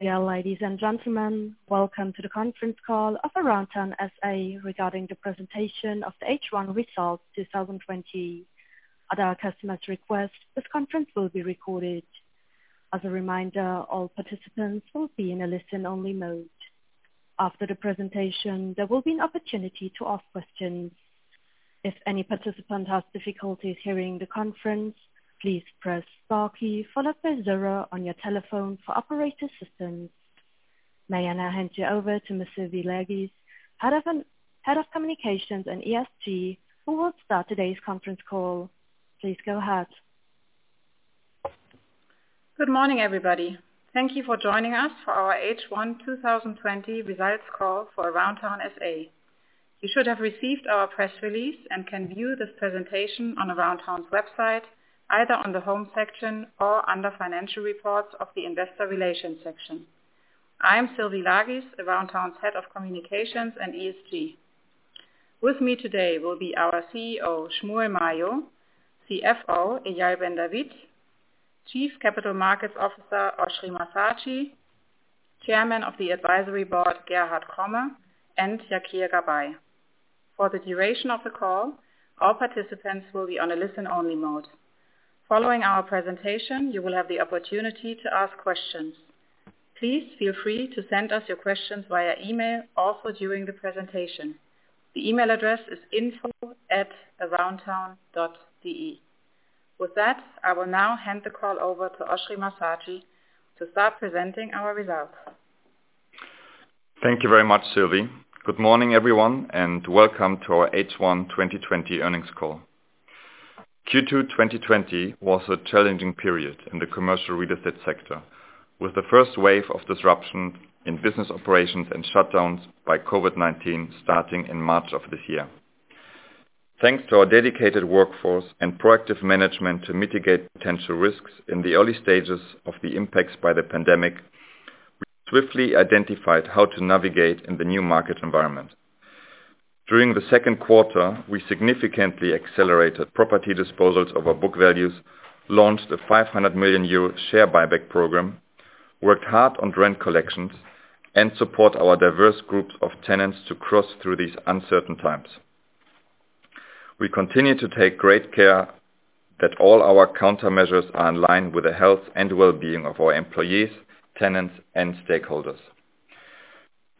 Yeah, ladies and gentlemen, welcome to the conference call of Aroundtown SA regarding the presentation of the H1 results 2020. At our customers' request, this conference will be recorded. As a reminder, all participants will be in a listen only mode. After the presentation, there will be an opportunity to ask questions. If any participant has difficulties hearing the conference, please press star key followed by zero on your telephone for operator assistance. May I now hand you over to Sylvie Lagies, Head of Communications and ESG, who will start today's conference call. Please go ahead. Good morning, everybody. Thank you for joining us for our H1 2020 results call for Aroundtown SA. You should have received our press release and can view this presentation on Aroundtown's website, either on the home section or under Financial Reports of the Investor Relations section. I'm Sylvie Lagies, Aroundtown's Head of Communications and ESG. With me today will be our CEO, Shmuel Mayo; CFO, Eyal Ben David; Chief Capital Markets Officer, Oschrie Massatschi; Chairman of the Advisory Board, Gerhard Cromme, and Yakir Gabay. For the duration of the call, all participants will be on a listen-only mode. Following our presentation, you will have the opportunity to ask questions. Please feel free to send us your questions via email, also during the presentation. The email address is info@aroundtown.de. With that, I will now hand the call over to Oschrie Massatschi to start presenting our results. Thank you very much, Sylvie. Good morning, everyone, and welcome to our H1 2020 earnings call. Q2 2020 was a challenging period in the commercial real estate sector, with the first wave of disruption in business operations and shutdowns by COVID-19 starting in March of this year. Thanks to our dedicated workforce and proactive management to mitigate potential risks in the early stages of the impacts by the pandemic, we swiftly identified how to navigate in the new market environment. During the second quarter, we significantly accelerated property disposals of our book values, launched a 500 million euro share buyback program, worked hard on rent collections, and support our diverse groups of tenants to cross through these uncertain times. We continue to take great care that all our countermeasures are in line with the health and well-being of our employees, tenants, and stakeholders.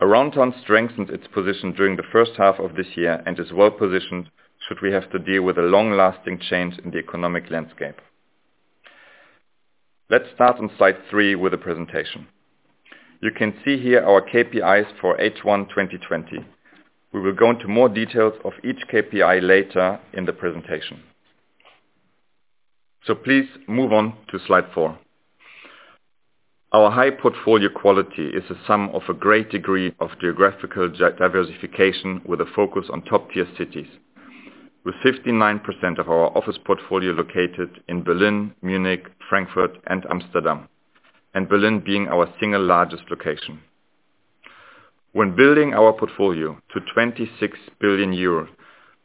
Aroundtown strengthens its position during the first half of this year and is well positioned should we have to deal with a long-lasting change in the economic landscape. Let's start on slide 3 with the presentation. You can see here our KPIs for H1 2020. We will go into more details of each KPI later in the presentation. So please move on to slide 4. Our high portfolio quality is a sum of a great degree of geographical diversification with a focus on top-tier cities, with 59% of our office portfolio located in Berlin, Munich, Frankfurt, and Amsterdam, and Berlin being our single largest location. When building our portfolio to 26 billion euros,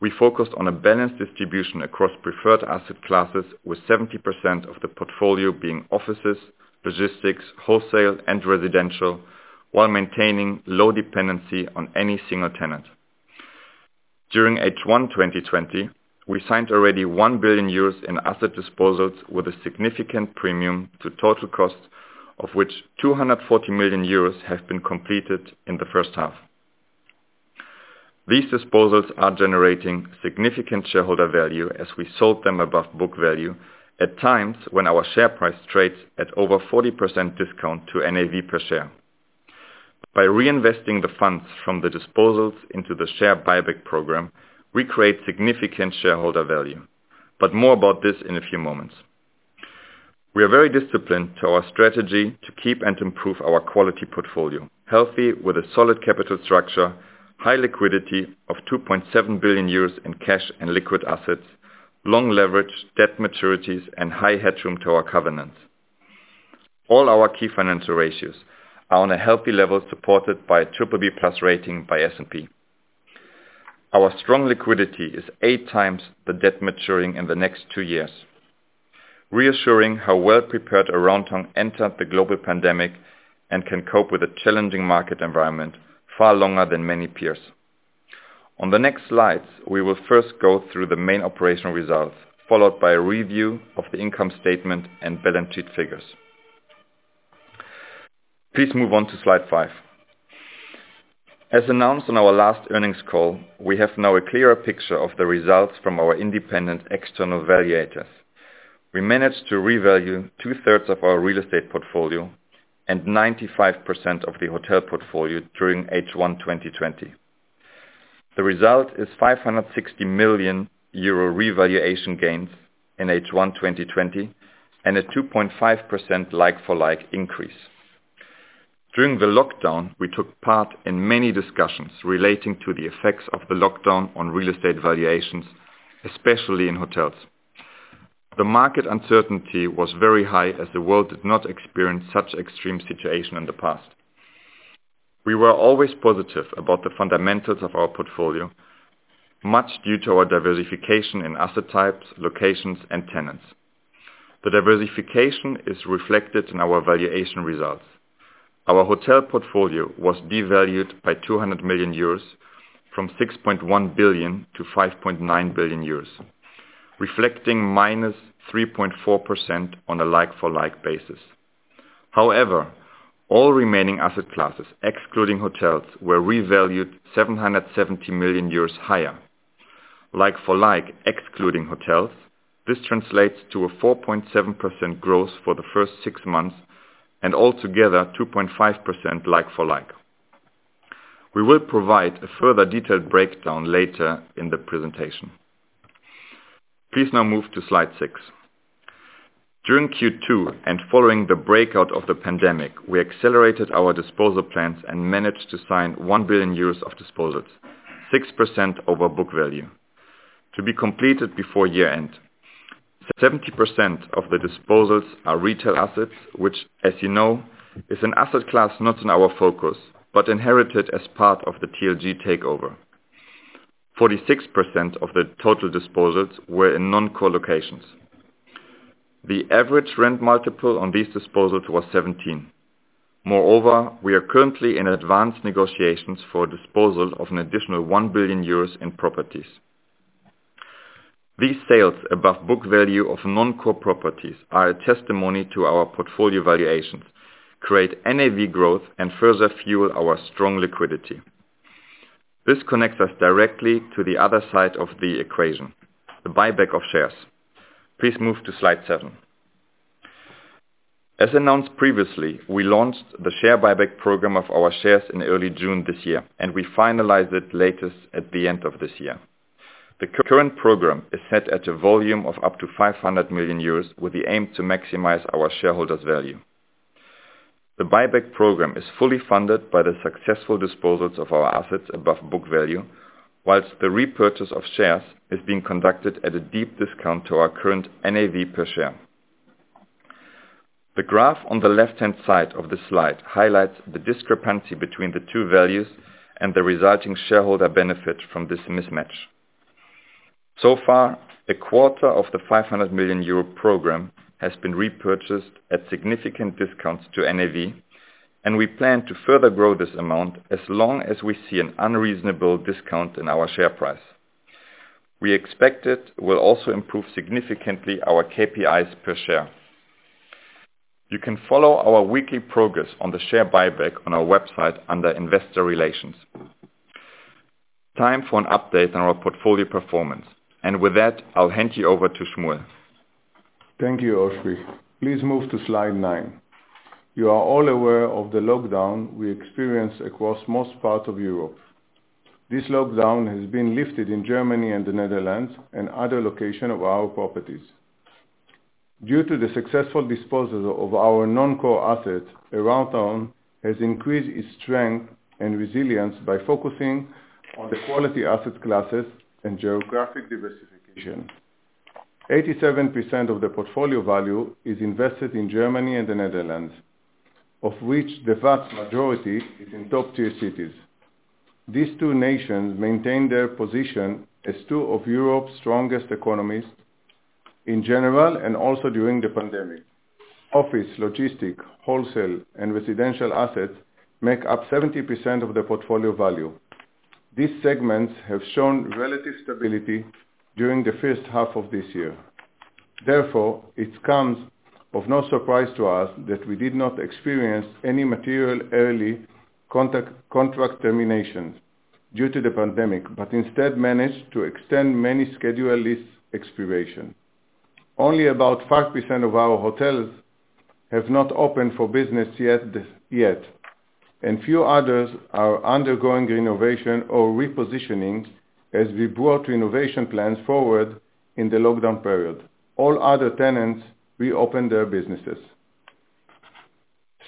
we focused on a balanced distribution across preferred asset classes, with 70% of the portfolio being offices, logistics, hotels, and residential, while maintaining low dependency on any single tenant. During H1 2020, we signed already 1 billion euros in asset disposals with a significant premium to total cost, of which 240 million euros have been completed in the first half. These disposals are generating significant shareholder value as we sold them above book value, at times when our share price trades at over 40% discount to NAV per share. By reinvesting the funds from the disposals into the share buyback program, we create significant shareholder value. But more about this in a few moments. We are very disciplined to our strategy to keep and improve our quality portfolio, healthy with a solid capital structure, high liquidity of 2.7 billion euros in cash and liquid assets, long leverage, debt maturities, and high headroom to our covenants. All our key financial ratios are on a healthy level, supported by BBB+ rating by S&P. Our strong liquidity is 8 times the debt maturing in the next 2 years, reassuring how well prepared Aroundtown entered the global pandemic and can cope with a challenging market environment far longer than many peers. On the next slides, we will first go through the main operational results, followed by a review of the income statement and balance sheet figures. Please move on to slide 5. As announced on our last earnings call, we have now a clearer picture of the results from our independent external valuators. We managed to revalue two-thirds of our real estate portfolio and 95% of the hotel portfolio during H1 2020. The result is 560 million euro revaluation gains in H1 2020 and a 2.5% like-for-like increase. During the lockdown, we took part in many discussions relating to the effects of the lockdown on real estate valuations, especially in hotels. The market uncertainty was very high, as the world did not experience such extreme situation in the past. We were always positive about the fundamentals of our portfolio, much due to our diversification in asset types, locations, and tenants. The diversification is reflected in our valuation results. Our hotel portfolio was devalued by 200 million euros, from 6.1 billion to 5.9 billion euros, reflecting -3.4% on a like-for-like basis. However, all remaining asset classes, excluding hotels, were revalued 770 million euros higher. Like-for-like, excluding hotels, this translates to a 4.7% growth for the first six months, and altogether, 2.5% like-for-like. We will provide a further detailed breakdown later in the presentation. Please now move to slide 6. During Q2, and following the breakout of the pandemic, we accelerated our disposal plans and managed to sign 1 billion euros of disposals, 6% over book value, to be completed before year-end. Seventy percent of the disposals are retail assets, which, as you know, is an asset class, not in our focus, but inherited as part of the TLG takeover. Forty-six percent of the total disposals were in non-core locations. The average rent multiple on these disposals was 17. Moreover, we are currently in advanced negotiations for disposal of an additional 1 billion euros in properties. These sales above book value of non-core properties are a testimony to our portfolio valuations, create NAV growth, and further fuel our strong liquidity. This connects us directly to the other side of the equation, the buyback of shares. Please move to slide 7. As announced previously, we launched the share buyback program of our shares in early June this year, and we finalized it latest at the end of this year. The current program is set at a volume of up to 500 million euros, with the aim to maximize our shareholders' value. The buyback program is fully funded by the successful disposals of our assets above book value, whilst the repurchase of shares is being conducted at a deep discount to our current NAV per share. The graph on the left-hand side of the slide highlights the discrepancy between the two values and the resulting shareholder benefit from this mismatch. So far, a quarter of the 500 million euro program has been repurchased at significant discounts to NAV, and we plan to further grow this amount as long as we see an unreasonable discount in our share price. We expect it will also improve significantly our KPIs per share. You can follow our weekly progress on the share buyback on our website under Investor Relations. Time for an update on our portfolio performance, and with that, I'll hand you over to Shmuel. Thank you, Oschrie. Please move to slide 9. You are all aware of the lockdown we experienced across most parts of Europe. This lockdown has been lifted in Germany and the Netherlands, and other locations of our properties. Due to the successful disposal of our non-core assets, Aroundtown has increased its strength and resilience by focusing on the quality asset classes and geographic diversification. 87% of the portfolio value is invested in Germany and the Netherlands, of which the vast majority is in top-tier cities. These two nations maintain their position as two of Europe's strongest economies in general, and also during the pandemic. Office, logistics, wholesale, and residential assets make up 70% of the portfolio value. These segments have shown relative stability during the first half of this year. Therefore, it comes of no surprise to us that we did not experience any material early contract terminations due to the pandemic, but instead managed to extend many scheduled lease expiration. Only about 5% of our hotels have not opened for business yet, and few others are undergoing renovation or repositioning, as we brought renovation plans forward in the lockdown period. All other tenants reopened their businesses.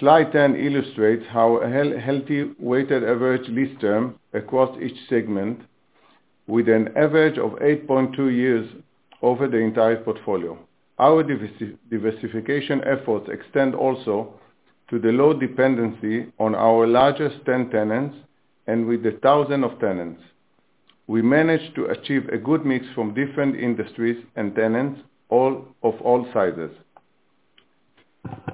Slide 10 illustrates how a healthy, weighted average lease term across each segment with an average of 8.2 years over the entire portfolio. Our diversification efforts extend also to the low dependency on our largest 10 tenants, and with the thousand of tenants. We managed to achieve a good mix from different industries and tenants, all, of all sizes.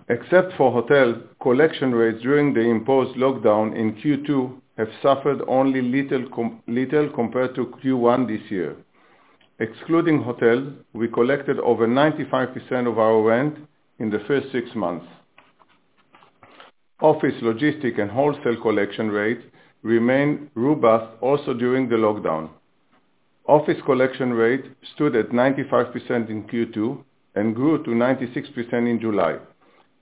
Except for hotel, collection rates during the imposed lockdown in Q2 have suffered only little compared to Q1 this year. Excluding hotel, we collected over 95% of our rent in the first six months. Office, logistics, and wholesale collection rate remained robust also during the lockdown. Office collection rate stood at 95% in Q2 and grew to 96% in July.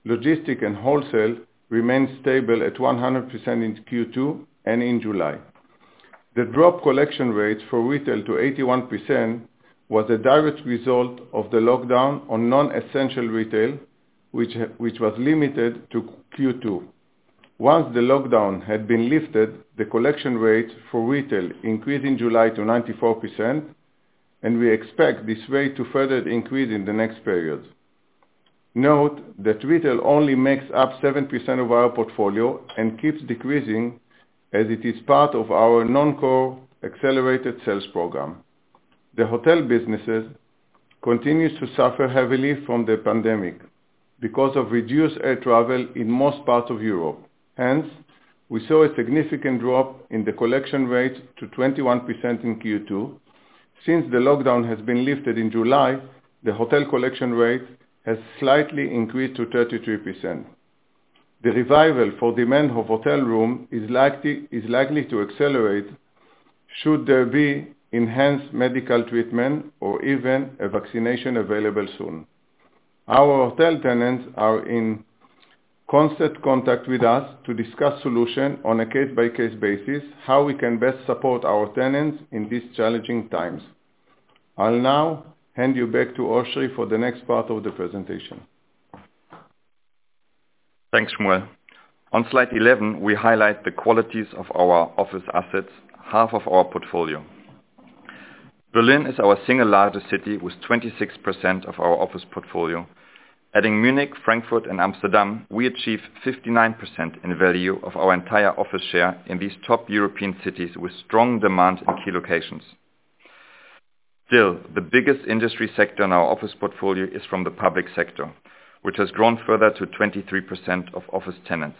Logistics and wholesale remained stable at 100% in Q2 and in July. The collection rate for retail dropped to 81% was a direct result of the lockdown on non-essential retail, which was limited to Q2. Once the lockdown had been lifted, the collection rate for retail increased in July to 94%, and we expect this rate to further increase in the next period... Note that retail only makes up 7% of our portfolio and keeps decreasing, as it is part of our non-core accelerated sales program. The hotel businesses continues to suffer heavily from the pandemic because of reduced air travel in most parts of Europe. Hence, we saw a significant drop in the collection rate to 21% in Q2. Since the lockdown has been lifted in July, the hotel collection rate has slightly increased to 33%. The revival for demand of hotel room is likely, is likely to accelerate should there be enhanced medical treatment or even a vaccination available soon. Our hotel tenants are in constant contact with us to discuss solution on a case-by-case basis, how we can best support our tenants in these challenging times. I'll now hand you back to Ulri for the next part of the presentation. Thanks, Shmuel. On slide 11, we highlight the qualities of our office assets, half of our portfolio. Berlin is our single largest city, with 26% of our office portfolio. Adding Munich, Frankfurt, and Amsterdam, we achieve 59% in value of our entire office share in these top European cities, with strong demand in key locations. Still, the biggest industry sector in our office portfolio is from the public sector, which has grown further to 23% of office tenants.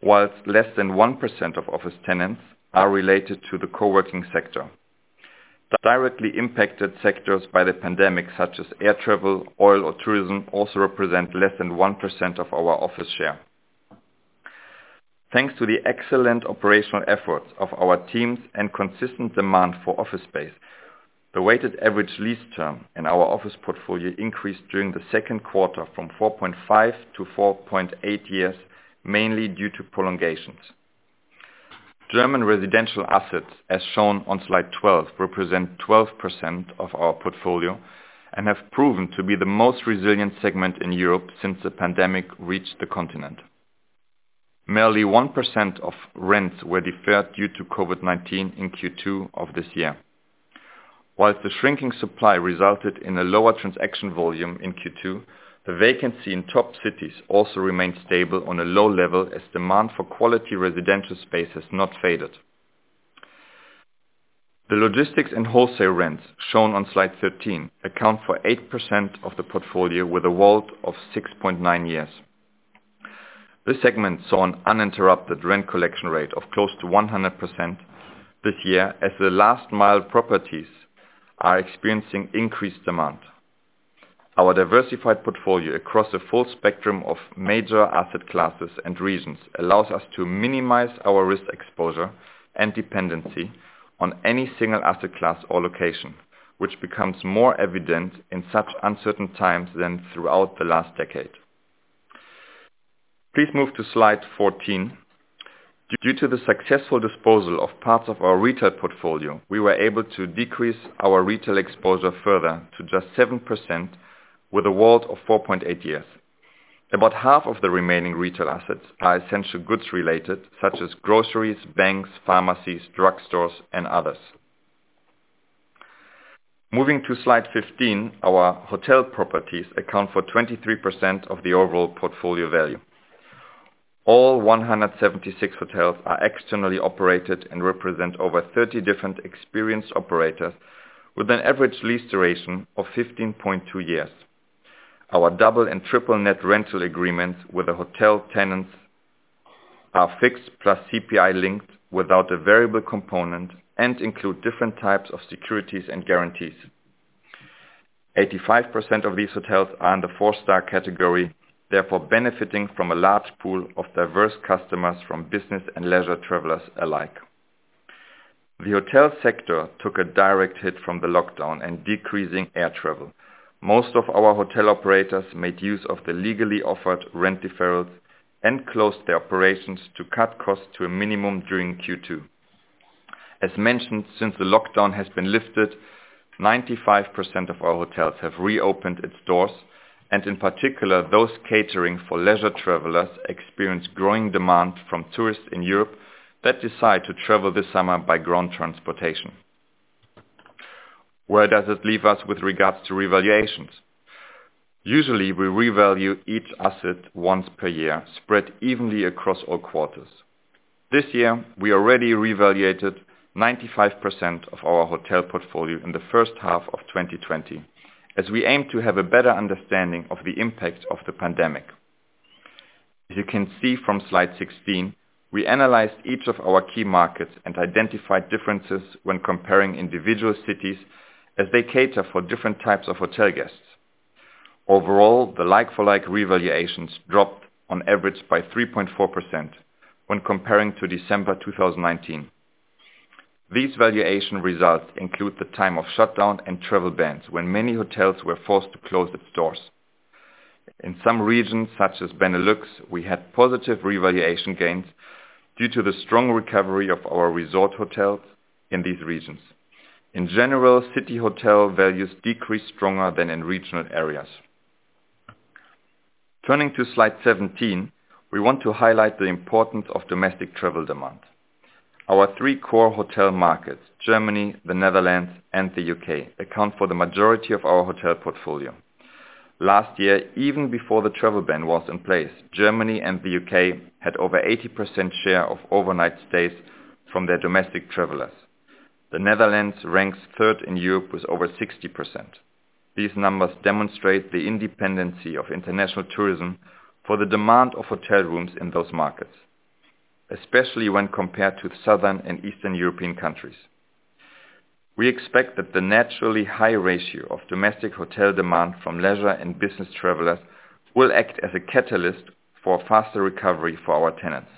While less than 1% of office tenants are related to the coworking sector. Directly impacted sectors by the pandemic, such as air travel, oil, or tourism, also represent less than 1% of our office share. Thanks to the excellent operational efforts of our teams and consistent demand for office space, the weighted average lease term in our office portfolio increased during the second quarter from 4.5 to 4.8 years, mainly due to prolongations. German residential assets, as shown on slide 12, represent 12% of our portfolio and have proven to be the most resilient segment in Europe since the pandemic reached the continent. Merely 1% of rents were deferred due to COVID-19 in Q2 of this year. While the shrinking supply resulted in a lower transaction volume in Q2, the vacancy in top cities also remained stable on a low level, as demand for quality residential space has not faded. The logistics and wholesale rents, shown on slide 13, account for 8% of the portfolio, with a WALT of 6.9 years. This segment saw an uninterrupted rent collection rate of close to 100% this year, as the last mile properties are experiencing increased demand. Our diversified portfolio across the full spectrum of major asset classes and regions allows us to minimize our risk exposure and dependency on any single asset class or location, which becomes more evident in such uncertain times than throughout the last decade. Please move to slide 14. Due to the successful disposal of parts of our retail portfolio, we were able to decrease our retail exposure further to just 7%, with a WALT of 4.8 years. About half of the remaining retail assets are essential goods related, such as groceries, banks, pharmacies, drugstores, and others. Moving to slide 15, our hotel properties account for 23% of the overall portfolio value. All 176 hotels are externally operated and represent over 30 different experienced operators, with an average lease duration of 15.2 years. Our double and triple net rental agreements with the hotel tenants are fixed, plus CPI linked without a variable component, and include different types of securities and guarantees. 85% of these hotels are in the four-star category, therefore benefiting from a large pool of diverse customers from business and leisure travelers alike. The hotel sector took a direct hit from the lockdown and decreasing air travel. Most of our hotel operators made use of the legally offered rent deferrals and closed their operations to cut costs to a minimum during Q2. As mentioned, since the lockdown has been lifted, 95% of our hotels have reopened its doors, and in particular, those catering for leisure travelers experienced growing demand from tourists in Europe that decide to travel this summer by ground transportation. Where does it leave us with regards to revaluations? Usually, we revalue each asset once per year, spread evenly across all quarters. This year, we already revalued 95% of our hotel portfolio in the first half of 2020, as we aim to have a better understanding of the impact of the pandemic. As you can see from slide 16, we analyzed each of our key markets and identified differences when comparing individual cities, as they cater for different types of hotel guests. Overall, the like-for-like revaluations dropped on average by 3.4% when comparing to December 2019. These valuation results include the time of shutdown and travel bans, when many hotels were forced to close its doors. In some regions, such as Benelux, we had positive revaluation gains due to the strong recovery of our resort hotels in these regions. In general, city hotel values decreased stronger than in regional areas. Turning to slide 17, we want to highlight the importance of domestic travel demand. Our three core hotel markets, Germany, the Netherlands, and the U.K., account for the majority of our hotel portfolio. Last year, even before the travel ban was in place, Germany and the U.K. had over 80% share of overnight stays from their domestic travelers. The Netherlands ranks third in Europe with over 60%. These numbers demonstrate the independence of international tourism for the demand of hotel rooms in those markets, especially when compared to Southern and Eastern European countries. We expect that the naturally high ratio of domestic hotel demand from leisure and business travelers will act as a catalyst for faster recovery for our tenants.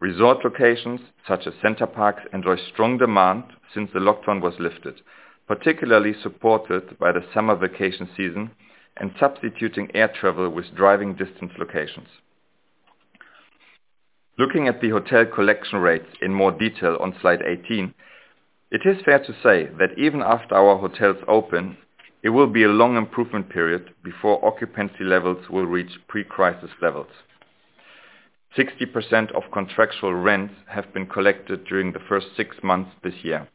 Resort locations, such as Center Parcs, enjoy strong demand since the lockdown was lifted, particularly supported by the summer vacation season and substituting air travel with driving distance locations. Looking at the hotel collection rates in more detail on slide 18, it is fair to say that even after our hotels open, it will be a long improvement period before occupancy levels will reach pre-crisis levels. 60% of contractual rents have been collected during the first six months this year.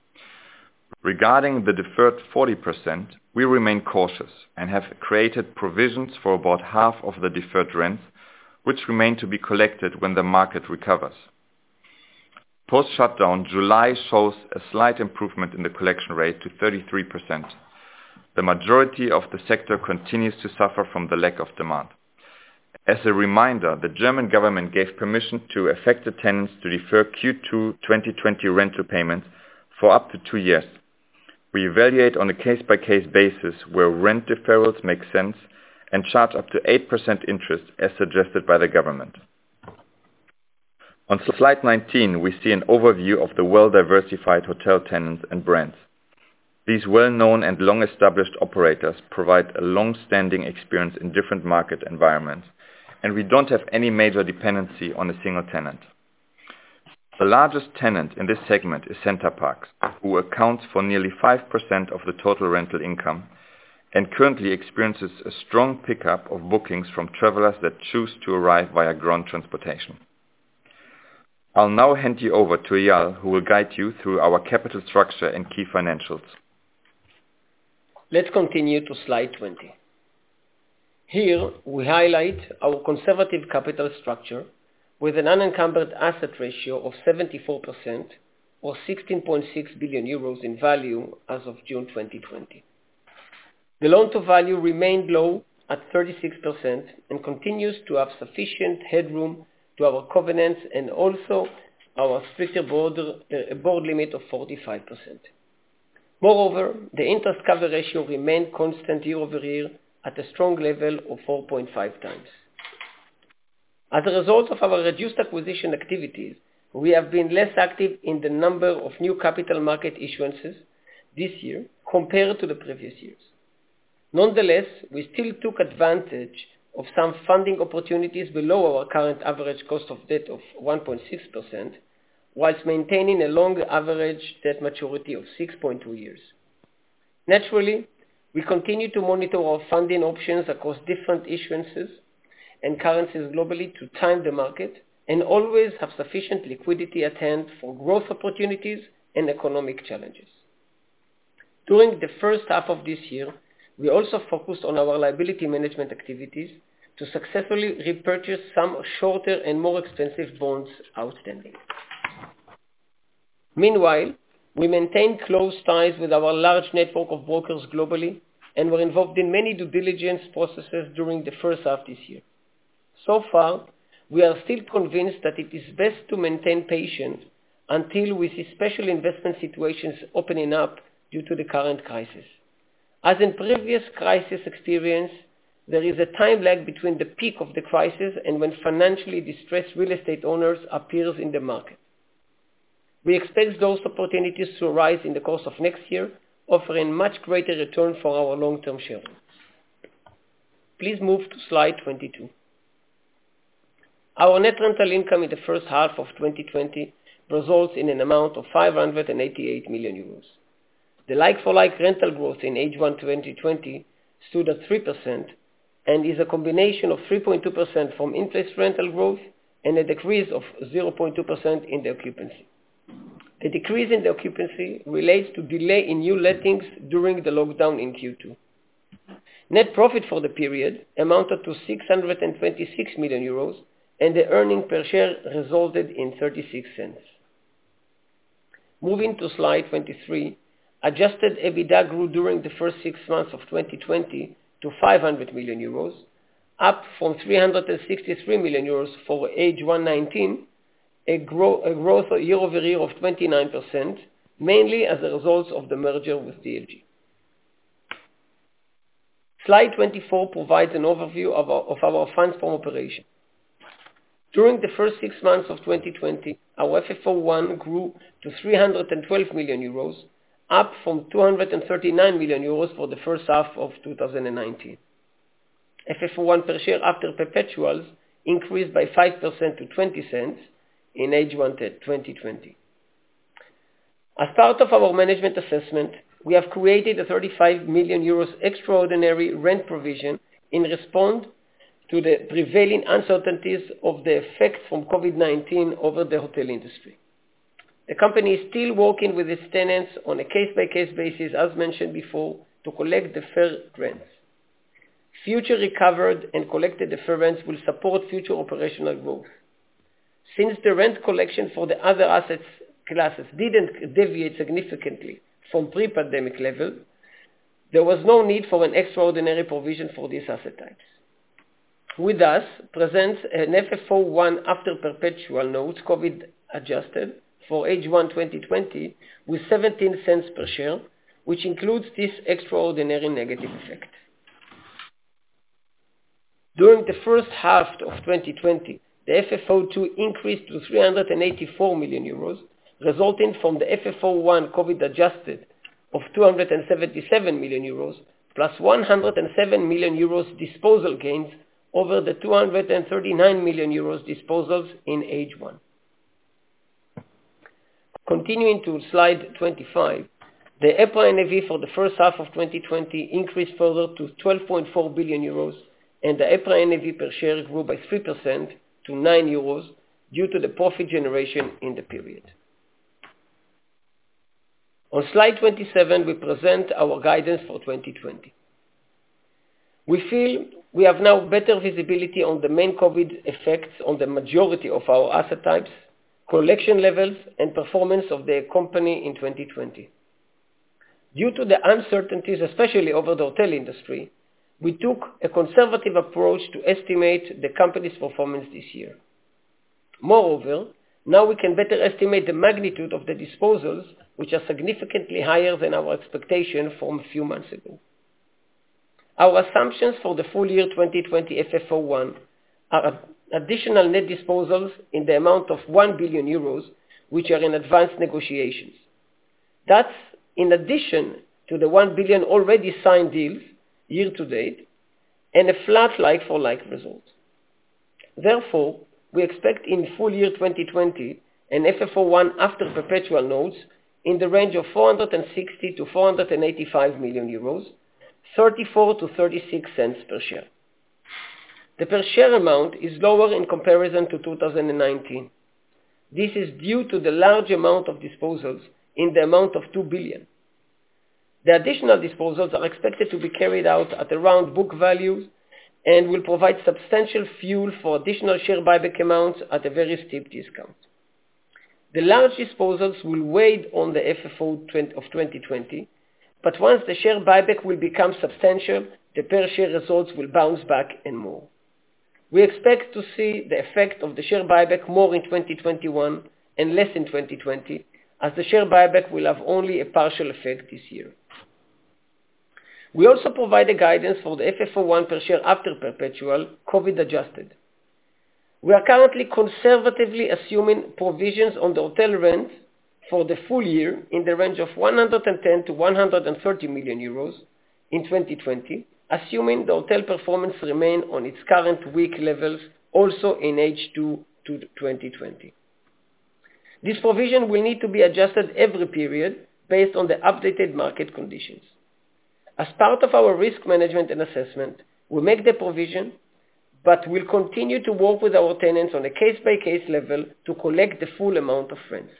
Regarding the deferred 40%, we remain cautious and have created provisions for about half of the deferred rents, which remain to be collected when the market recovers. Post shutdown, July shows a slight improvement in the collection rate to 33%. The majority of the sector continues to suffer from the lack of demand. As a reminder, the German government gave permission to affected tenants to defer Q2 2020 rental payments for up to two years. We evaluate on a case-by-case basis where rent deferrals make sense and charge up to 8% interest, as suggested by the government. On slide 19, we see an overview of the well-diversified hotel tenants and brands. These well-known and long-established operators provide a long-standing experience in different market environments, and we don't have any major dependency on a single tenant. The largest tenant in this segment is Center Parcs, who accounts for nearly 5% of the total rental income, and currently experiences a strong pickup of bookings from travelers that choose to arrive via ground transportation. I'll now hand you over to Eyal, who will guide you through our capital structure and key financials. Let's continue to slide 20. Here, we highlight our conservative capital structure with an unencumbered asset ratio of 74%, or 16.6 billion euros in value as of June 2020. The loan-to-value remained low at 36% and continues to have sufficient headroom to our covenants and also our stricter board limit of 45%. Moreover, the interest cover ratio remained constant year-over-year at a strong level of 4.5 times. As a result of our reduced acquisition activities, we have been less active in the number of new capital market issuances this year compared to the previous years. Nonetheless, we still took advantage of some funding opportunities below our current average cost of debt of 1.6%, whilst maintaining a long average debt maturity of 6.2 years. Naturally, we continue to monitor our funding options across different issuances and currencies globally to time the market, and always have sufficient liquidity at hand for growth opportunities and economic challenges. During the first half of this year, we also focused on our liability management activities to successfully repurchase some shorter and more expensive bonds outstanding. Meanwhile, we maintained close ties with our large network of brokers globally, and were involved in many due diligence processes during the first half this year. So far, we are still convinced that it is best to maintain patience until we see special investment situations opening up due to the current crisis. As in previous crisis experience, there is a time lag between the peak of the crisis and when financially distressed real estate owners appear in the market. We expect those opportunities to rise in the course of next year, offering much greater return for our long-term shareholders. Please move to slide 22. Our net rental income in the first half of 2020 results in an amount of 588 million euros. The like-for-like rental growth in H1 2020 stood at 3%, and is a combination of 3.2% from index rental growth, and a decrease of 0.2% in the occupancy. The decrease in the occupancy relates to delay in new lettings during the lockdown in Q2. Net profit for the period amounted to 626 million euros, and the earnings per share resulted in 0.36. Moving to slide 23, Adjusted EBITDA grew during the first six months of 2020 to 500 million euros, up from 363 million euros for H1 2019, a growth year-over-year of 29%, mainly as a result of the merger with TLG. Slide 24 provides an overview of our Funds From Operations. During the first six months of 2020, our FFO I grew to 312 million euros, up from 239 million euros for the first half of 2019. FFO I per share after perpetuals increased by 5% to 0.20 in H1 2020. As part of our management assessment, we have created a 35 million euros extraordinary rent provision in response to the prevailing uncertainties of the effects from COVID-19 over the hotel industry. The company is still working with its tenants on a case-by-case basis, as mentioned before, to collect the fair rents. Future recovered and collected deferrals will support future operational growth. Since the rent collection for the other asset classes didn't deviate significantly from pre-pandemic level, there was no need for an extraordinary provision for these asset types. We present an FFO I after perpetual notes, COVID adjusted for H1 2020, with 0.17 per share, which includes this extraordinary negative effect. During the first half of 2020, the FFO II increased to 384 million euros, resulting from the FFO I COVID adjusted of 277 million euros, plus 107 million euros disposal gains over the 239 million euros disposals in H1. Continuing to slide 25, the EPRA NAV for the first half of 2020 increased further to 12.4 billion euros, and the EPRA NAV per share grew by 3% to 9 euros due to the profit generation in the period. On slide 27, we present our guidance for 2020. We feel we have now better visibility on the main COVID effects on the majority of our asset types, collection levels, and performance of the company in 2020. Due to the uncertainties, especially over the hotel industry, we took a conservative approach to estimate the company's performance this year. Moreover, now we can better estimate the magnitude of the disposals, which are significantly higher than our expectation from a few months ago. Our assumptions for the full year 2020 FFO I are additional net disposals in the amount of 1 billion euros, which are in advanced negotiations. That's in addition to the 1 billion already signed deals year to date, and a flat like-for-like results. Therefore, we expect in full year 2020 an FFO I after perpetual notes in the range of 460 million-485 million euros, 0.34-0.36 per share. The per share amount is lower in comparison to 2019. This is due to the large amount of disposals in the amount of 2 billion. The additional disposals are expected to be carried out at around book values, and will provide substantial fuel for additional share buyback amounts at a very steep discount. The large disposals will weigh on the FFO of 2020, but once the share buyback will become substantial, the per share results will bounce back and more. We expect to see the effect of the share buyback more in 2021 and less in 2020, as the share buyback will have only a partial effect this year. We also provide a guidance for the FFO I per share after perpetual, COVID adjusted. We are currently conservatively assuming provisions on the hotel rent for the full year in the range of 110 million-130 million euros in 2020, assuming the hotel performance remain on its current weak levels, also in H2 2020. This provision will need to be adjusted every period based on the updated market conditions. As part of our risk management and assessment, we make the provision, but we'll continue to work with our tenants on a case-by-case level to collect the full amount of rents.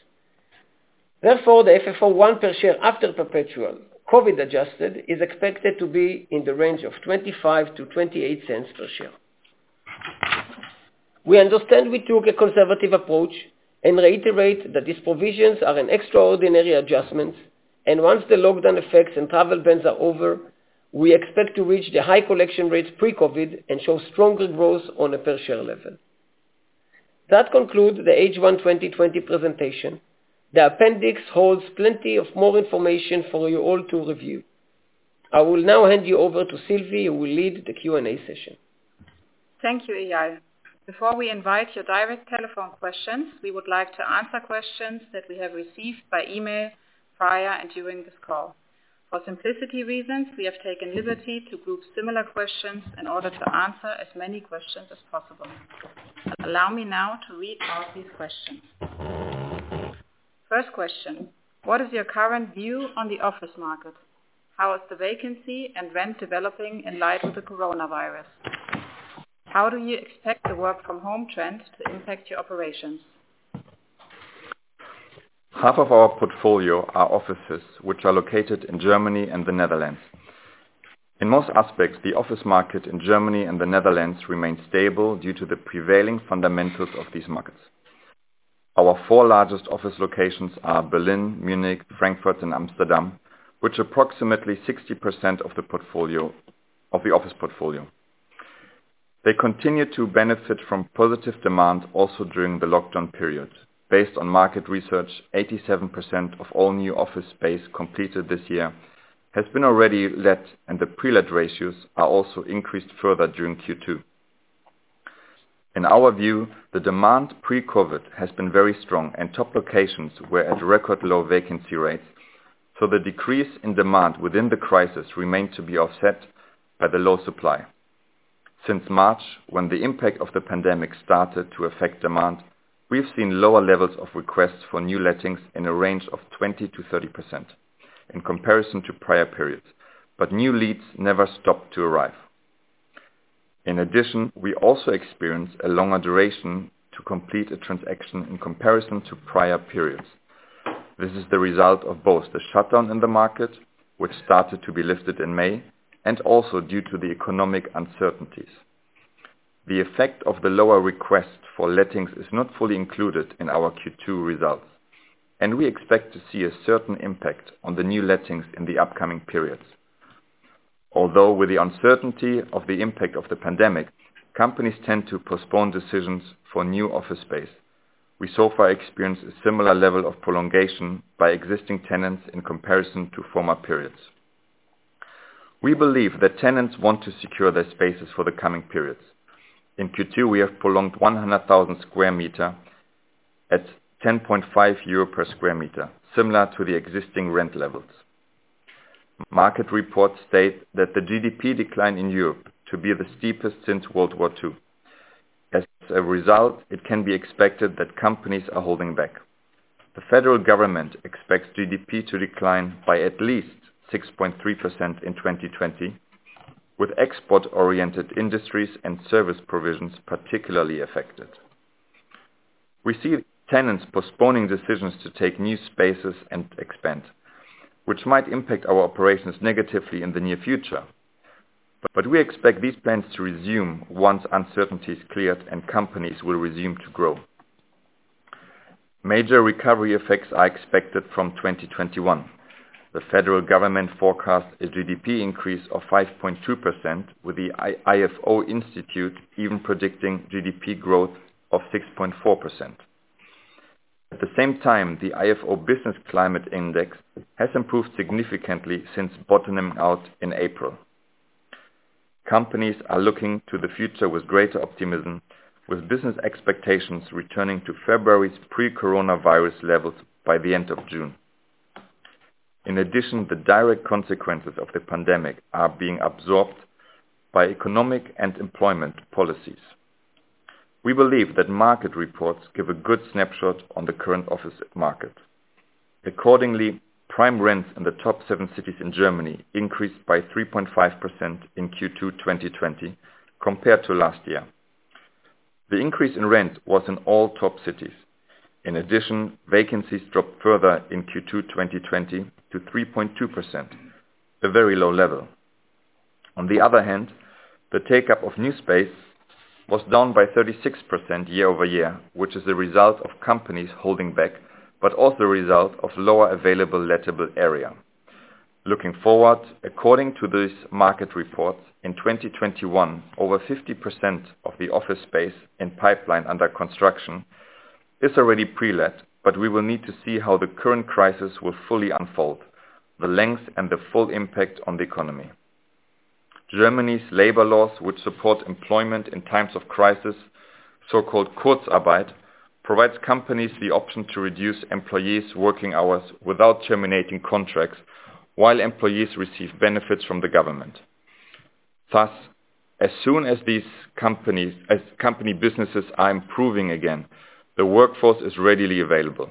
Therefore, the FFO I per share after perpetual, COVID adjusted, is expected to be in the range of 0.25-0.28 per share. We understand we took a conservative approach and reiterate that these provisions are an extraordinary adjustment, and once the lockdown effects and travel bans are over, we expect to reach the high collection rates pre-COVID and show stronger growth on a per share level. That concludes the H1 2020 presentation. The appendix holds plenty of more information for you all to review. I will now hand you over to Sylvie, who will lead the Q&A session. Thank you, Eyal. Before we invite your direct telephone questions, we would like to answer questions that we have received by email, prior and during this call. For simplicity reasons, we have taken liberty to group similar questions in order to answer as many questions as possible. Allow me now to read out these questions. First question: What is your current view on the office market? How is the vacancy and rent developing in light of the coronavirus? How do you expect the work from home trend to impact your operations? Half of our portfolio are offices, which are located in Germany and the Netherlands. In most aspects, the office market in Germany and the Netherlands remain stable due to the prevailing fundamentals of these markets. Our four largest office locations are Berlin, Munich, Frankfurt, and Amsterdam, which approximately 60% of the portfolio, of the office portfolio. They continue to benefit from positive demand also during the lockdown period. Based on market research, 87% of all new office space completed this year has been already let, and the pre-let ratios are also increased further during Q2. In our view, the demand pre-COVID has been very strong, and top locations were at record low vacancy rates, so the decrease in demand within the crisis remained to be offset by the low supply.... Since March, when the impact of the pandemic started to affect demand, we've seen lower levels of requests for new lettings in a range of 20%-30% in comparison to prior periods, but new leads never stopped to arrive. In addition, we also experienced a longer duration to complete a transaction in comparison to prior periods. This is the result of both the shutdown in the market, which started to be lifted in May, and also due to the economic uncertainties. The effect of the lower request for lettings is not fully included in our Q2 results, and we expect to see a certain impact on the new lettings in the upcoming periods. Although, with the uncertainty of the impact of the pandemic, companies tend to postpone decisions for new office space. We so far experienced a similar level of prolongation by existing tenants in comparison to former periods. We believe that tenants want to secure their spaces for the coming periods. In Q2, we have prolonged 100,000 sq m at 10.5 euro per sq m, similar to the existing rent levels. Market reports state that the GDP decline in Europe to be the steepest since World War II. As a result, it can be expected that companies are holding back. The federal government expects GDP to decline by at least 6.3% in 2020, with export-oriented industries and service provisions particularly affected. We see tenants postponing decisions to take new spaces and expand, which might impact our operations negatively in the near future. But we expect these plans to resume once uncertainty is cleared and companies will resume to grow. Major recovery effects are expected from 2021. The federal government forecast a GDP increase of 5.2%, with the Ifo Institute even predicting GDP growth of 6.4%. At the same time, the ifo Business Climate Index has improved significantly since bottoming out in April. Companies are looking to the future with greater optimism, with business expectations returning to February's pre-coronavirus levels by the end of June. In addition, the direct consequences of the pandemic are being absorbed by economic and employment policies. We believe that market reports give a good snapshot on the current office market. Accordingly, prime rents in the top seven cities in Germany increased by 3.5% in Q2 2020, compared to last year. The increase in rent was in all top cities. In addition, vacancies dropped further in Q2 2020 to 3.2%, a very low level. On the other hand, the take-up of new space was down by 36% year-over-year, which is the result of companies holding back, but also a result of lower available lettable area. Looking forward, according to these market reports, in 2021, over 50% of the office space and pipeline under construction is already pre-let, but we will need to see how the current crisis will fully unfold, the length and the full impact on the economy. Germany's labor laws, which support employment in times of crisis, so-called Kurzarbeit, provides companies the option to reduce employees' working hours without terminating contracts, while employees receive benefits from the government. Thus, as soon as these companies as company businesses are improving again, the workforce is readily available.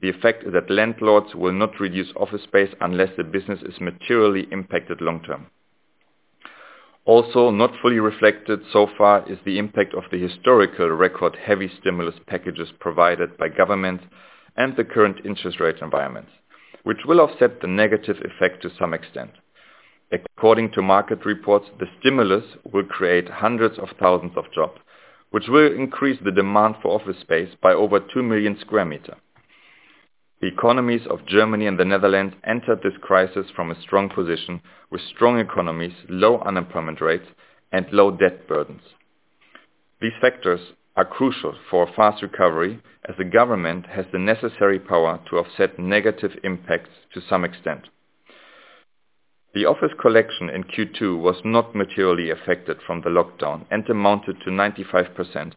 The effect is that landlords will not reduce office space unless the business is materially impacted long term. Also, not fully reflected so far is the impact of the historical record, heavy stimulus packages provided by government and the current interest rate environment, which will offset the negative effect to some extent. According to market reports, the stimulus will create hundreds of thousands of jobs, which will increase the demand for office space by over 2 million sq m. The economies of Germany and the Netherlands entered this crisis from a strong position, with strong economies, low unemployment rates, and low debt burdens. These factors are crucial for a fast recovery, as the government has the necessary power to offset negative impacts to some extent. The office collection in Q2 was not materially affected from the lockdown and amounted to 95%,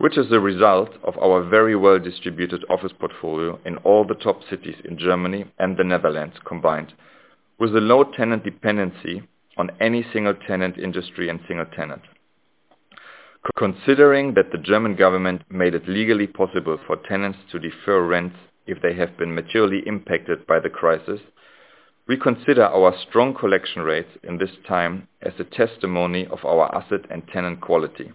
which is a result of our very well-distributed office portfolio in all the top cities in Germany and the Netherlands, combined, with a low tenant dependency on any single tenant, industry, and single tenant. Considering that the German government made it legally possible for tenants to defer rent if they have been materially impacted by the crisis, we consider our strong collection rates in this time as a testimony of our asset and tenant quality.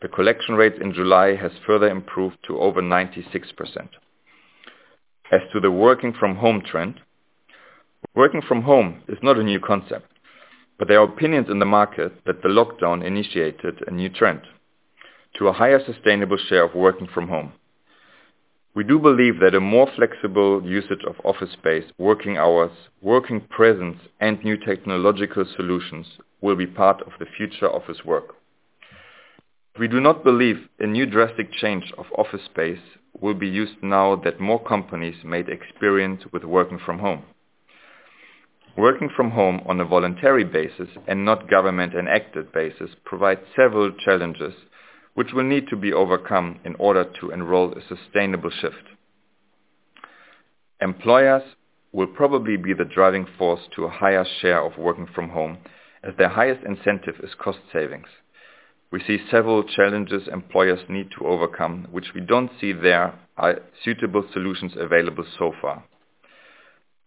The collection rate in July has further improved to over 96%. As to the working from home trend, working from home is not a new concept, but there are opinions in the market that the lockdown initiated a new trend to a higher sustainable share of working from home. We do believe that a more flexible usage of office space, working hours, working presence, and new technological solutions will be part of the future office work. We do not believe a new drastic change of office space will be used now that more companies made experience with working from home. Working from home on a voluntary basis, and not government-enacted basis, provides several challenges which will need to be overcome in order to enroll a sustainable shift.... Employers will probably be the driving force to a higher share of working from home, as their highest incentive is cost savings. We see several challenges employers need to overcome, which we don't see there are suitable solutions available so far.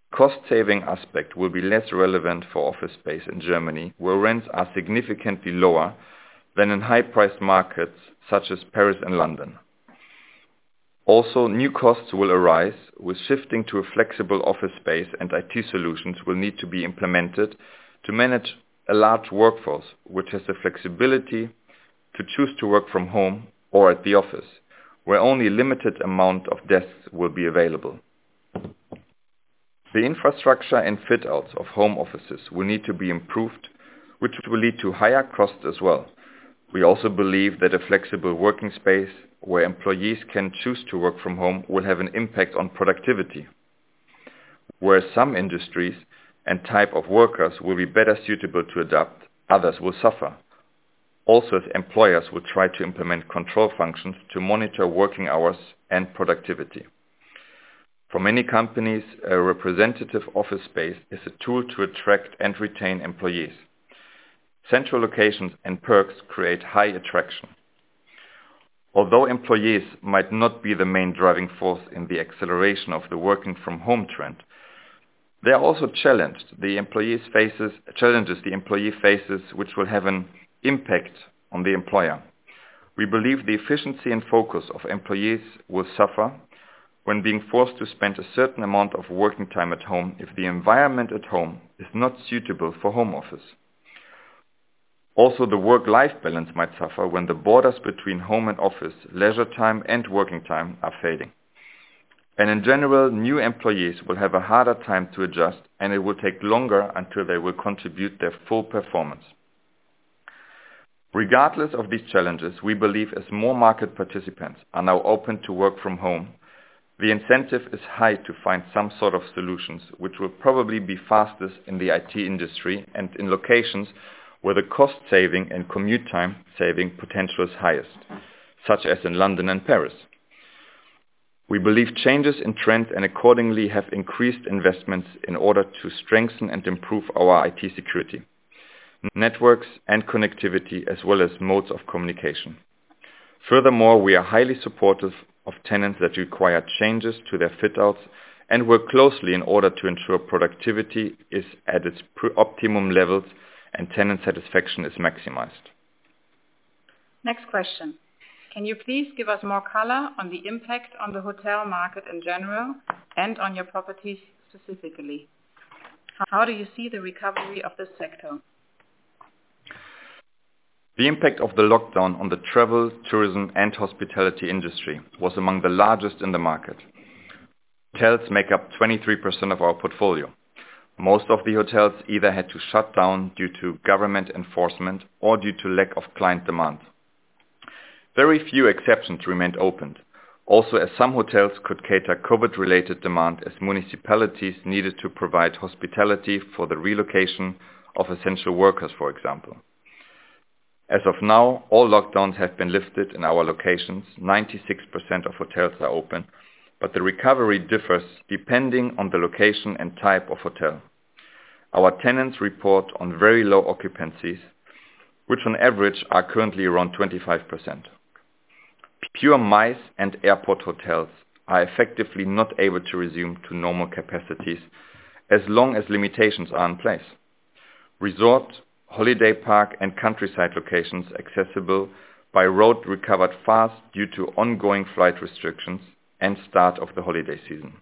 Cost saving aspect will be less relevant for office space in Germany, where rents are significantly lower than in high priced markets such as Paris and London. Also, new costs will arise with shifting to a flexible office space, and IT solutions will need to be implemented to manage a large workforce, which has the flexibility to choose to work from home or at the office, where only a limited amount of desks will be available. The infrastructure and fit outs of home offices will need to be improved, which will lead to higher costs as well. We also believe that a flexible working space where employees can choose to work from home, will have an impact on productivity. Where some industries and type of workers will be better suitable to adapt, others will suffer. Also, employers will try to implement control functions to monitor working hours and productivity. For many companies, a representative office space is a tool to attract and retain employees. Central locations and perks create high attraction. Although employees might not be the main driving force in the acceleration of the working from home trend, they are also challenged. The challenges the employee faces, which will have an impact on the employer. We believe the efficiency and focus of employees will suffer when being forced to spend a certain amount of working time at home, if the environment at home is not suitable for home office. Also, the work-life balance might suffer when the borders between home and office, leisure time and working time are fading. In general, new employees will have a harder time to adjust, and it will take longer until they will contribute their full performance. Regardless of these challenges, we believe as more market participants are now open to work from home, the incentive is high to find some sort of solutions, which will probably be fastest in the IT industry and in locations where the cost saving and commute time saving potential is highest, such as in London and Paris. We believe changes in trend and accordingly have increased investments in order to strengthen and improve our IT security, networks and connectivity, as well as modes of communication. Furthermore, we are highly supportive of tenants that require changes to their fit outs, and work closely in order to ensure productivity is at its optimum levels and tenant satisfaction is maximized. Next question: Can you please give us more color on the impact on the hotel market in general and on your properties specifically? How do you see the recovery of this sector? The impact of the lockdown on the travel, tourism, and hospitality industry was among the largest in the market. Hotels make up 23% of our portfolio. Most of the hotels either had to shut down due to government enforcement or due to lack of client demand. Very few exceptions remained opened. Also, as some hotels could cater COVID-related demand, as municipalities needed to provide hospitality for the relocation of essential workers, for example. As of now, all lockdowns have been lifted in our locations. 96% of hotels are open, but the recovery differs depending on the location and type of hotel. Our tenants report on very low occupancies, which on average are currently around 25%. Pure MICE and airport hotels are effectively not able to resume to normal capacities as long as limitations are in place. Resort, holiday park, and countryside locations accessible by road recovered fast due to ongoing flight restrictions and start of the holiday season.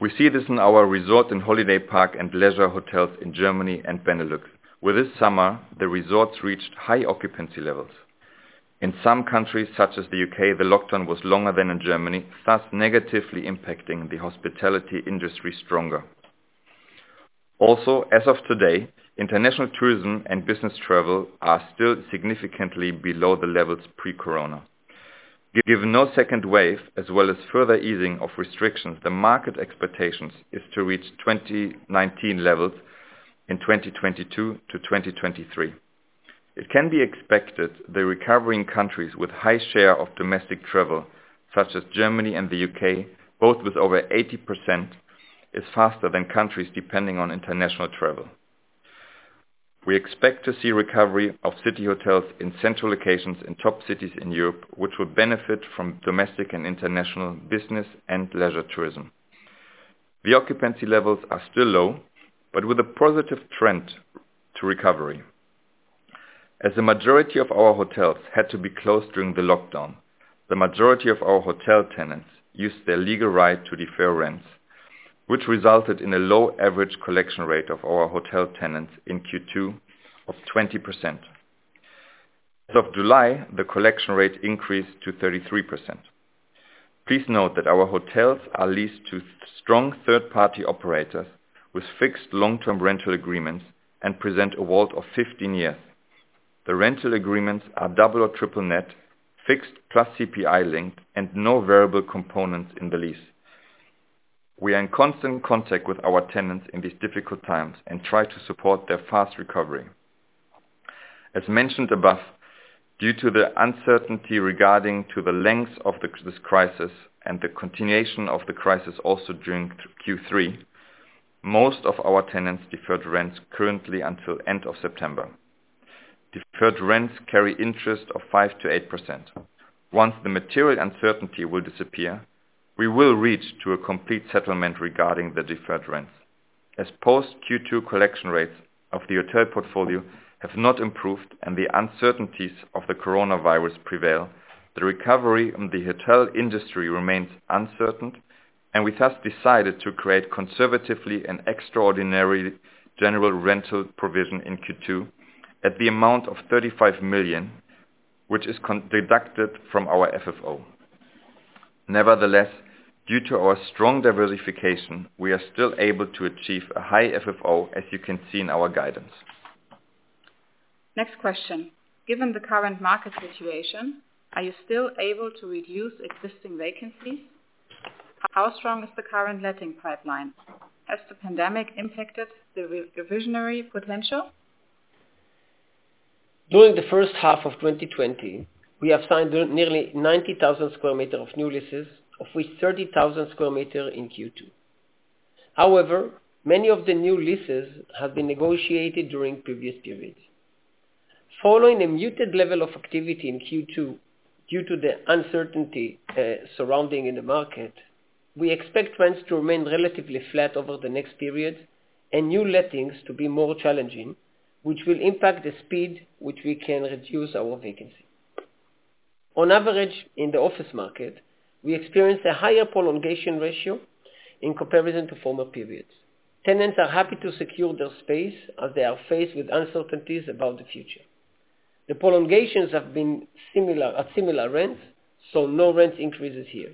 We see this in our resort and holiday park and leisure hotels in Germany and Benelux, where this summer, the resorts reached high occupancy levels. In some countries, such as the U.K., the lockdown was longer than in Germany, thus negatively impacting the hospitality industry stronger. Also, as of today, international tourism and business travel are still significantly below the levels pre-corona. Given no second wave, as well as further easing of restrictions, the market expectations is to reach 2019 levels in 2022-2023. It can be expected the recovering countries with high share of domestic travel, such as Germany and the U.K., both with over 80%, is faster than countries depending on international travel. We expect to see recovery of city hotels in central locations in top cities in Europe, which will benefit from domestic and international business and leisure tourism. The occupancy levels are still low, but with a positive trend to recovery. As the majority of our hotels had to be closed during the lockdown, the majority of our hotel tenants used their legal right to defer rents, which resulted in a low average collection rate of our hotel tenants in Q2 of 20%. As of July, the collection rate increased to 33%. Please note that our hotels are leased to strong third-party operators with fixed long-term rental agreements and present a WALT of 15 years. The rental agreements are double or triple net, fixed plus CPI link, and no variable components in the lease. We are in constant contact with our tenants in these difficult times and try to support their fast recovery. As mentioned above, due to the uncertainty regarding the length of this crisis and the continuation of the crisis also during Q3, most of our tenants deferred rents currently until end of September. Deferred rents carry interest of 5%-8%. Once the material uncertainty will disappear, we will reach a complete settlement regarding the deferred rents. As post Q2 collection rates of the hotel portfolio have not improved and the uncertainties of the coronavirus prevail, the recovery in the hotel industry remains uncertain, and we thus decided to create conservatively an extraordinary general rental provision in Q2 at the amount of 35 million, which is deducted from our FFO. Nevertheless, due to our strong diversification, we are still able to achieve a high FFO, as you can see in our guidance. Next question: Given the current market situation, are you still able to reduce existing vacancies? How strong is the current letting pipeline? Has the pandemic impacted the visionary potential? During the first half of 2020, we have signed nearly 90,000 sq m of new leases, of which 30,000 sq m in Q2. However, many of the new leases have been negotiated during previous periods. Following a muted level of activity in Q2, due to the uncertainty surrounding in the market, we expect rents to remain relatively flat over the next period, and new lettings to be more challenging, which will impact the speed which we can reduce our vacancy. On average, in the office market, we experienced a higher prolongation ratio in comparison to former periods. Tenants are happy to secure their space, as they are faced with uncertainties about the future. The prolongations have been similar, at similar rents, so no rent increases here.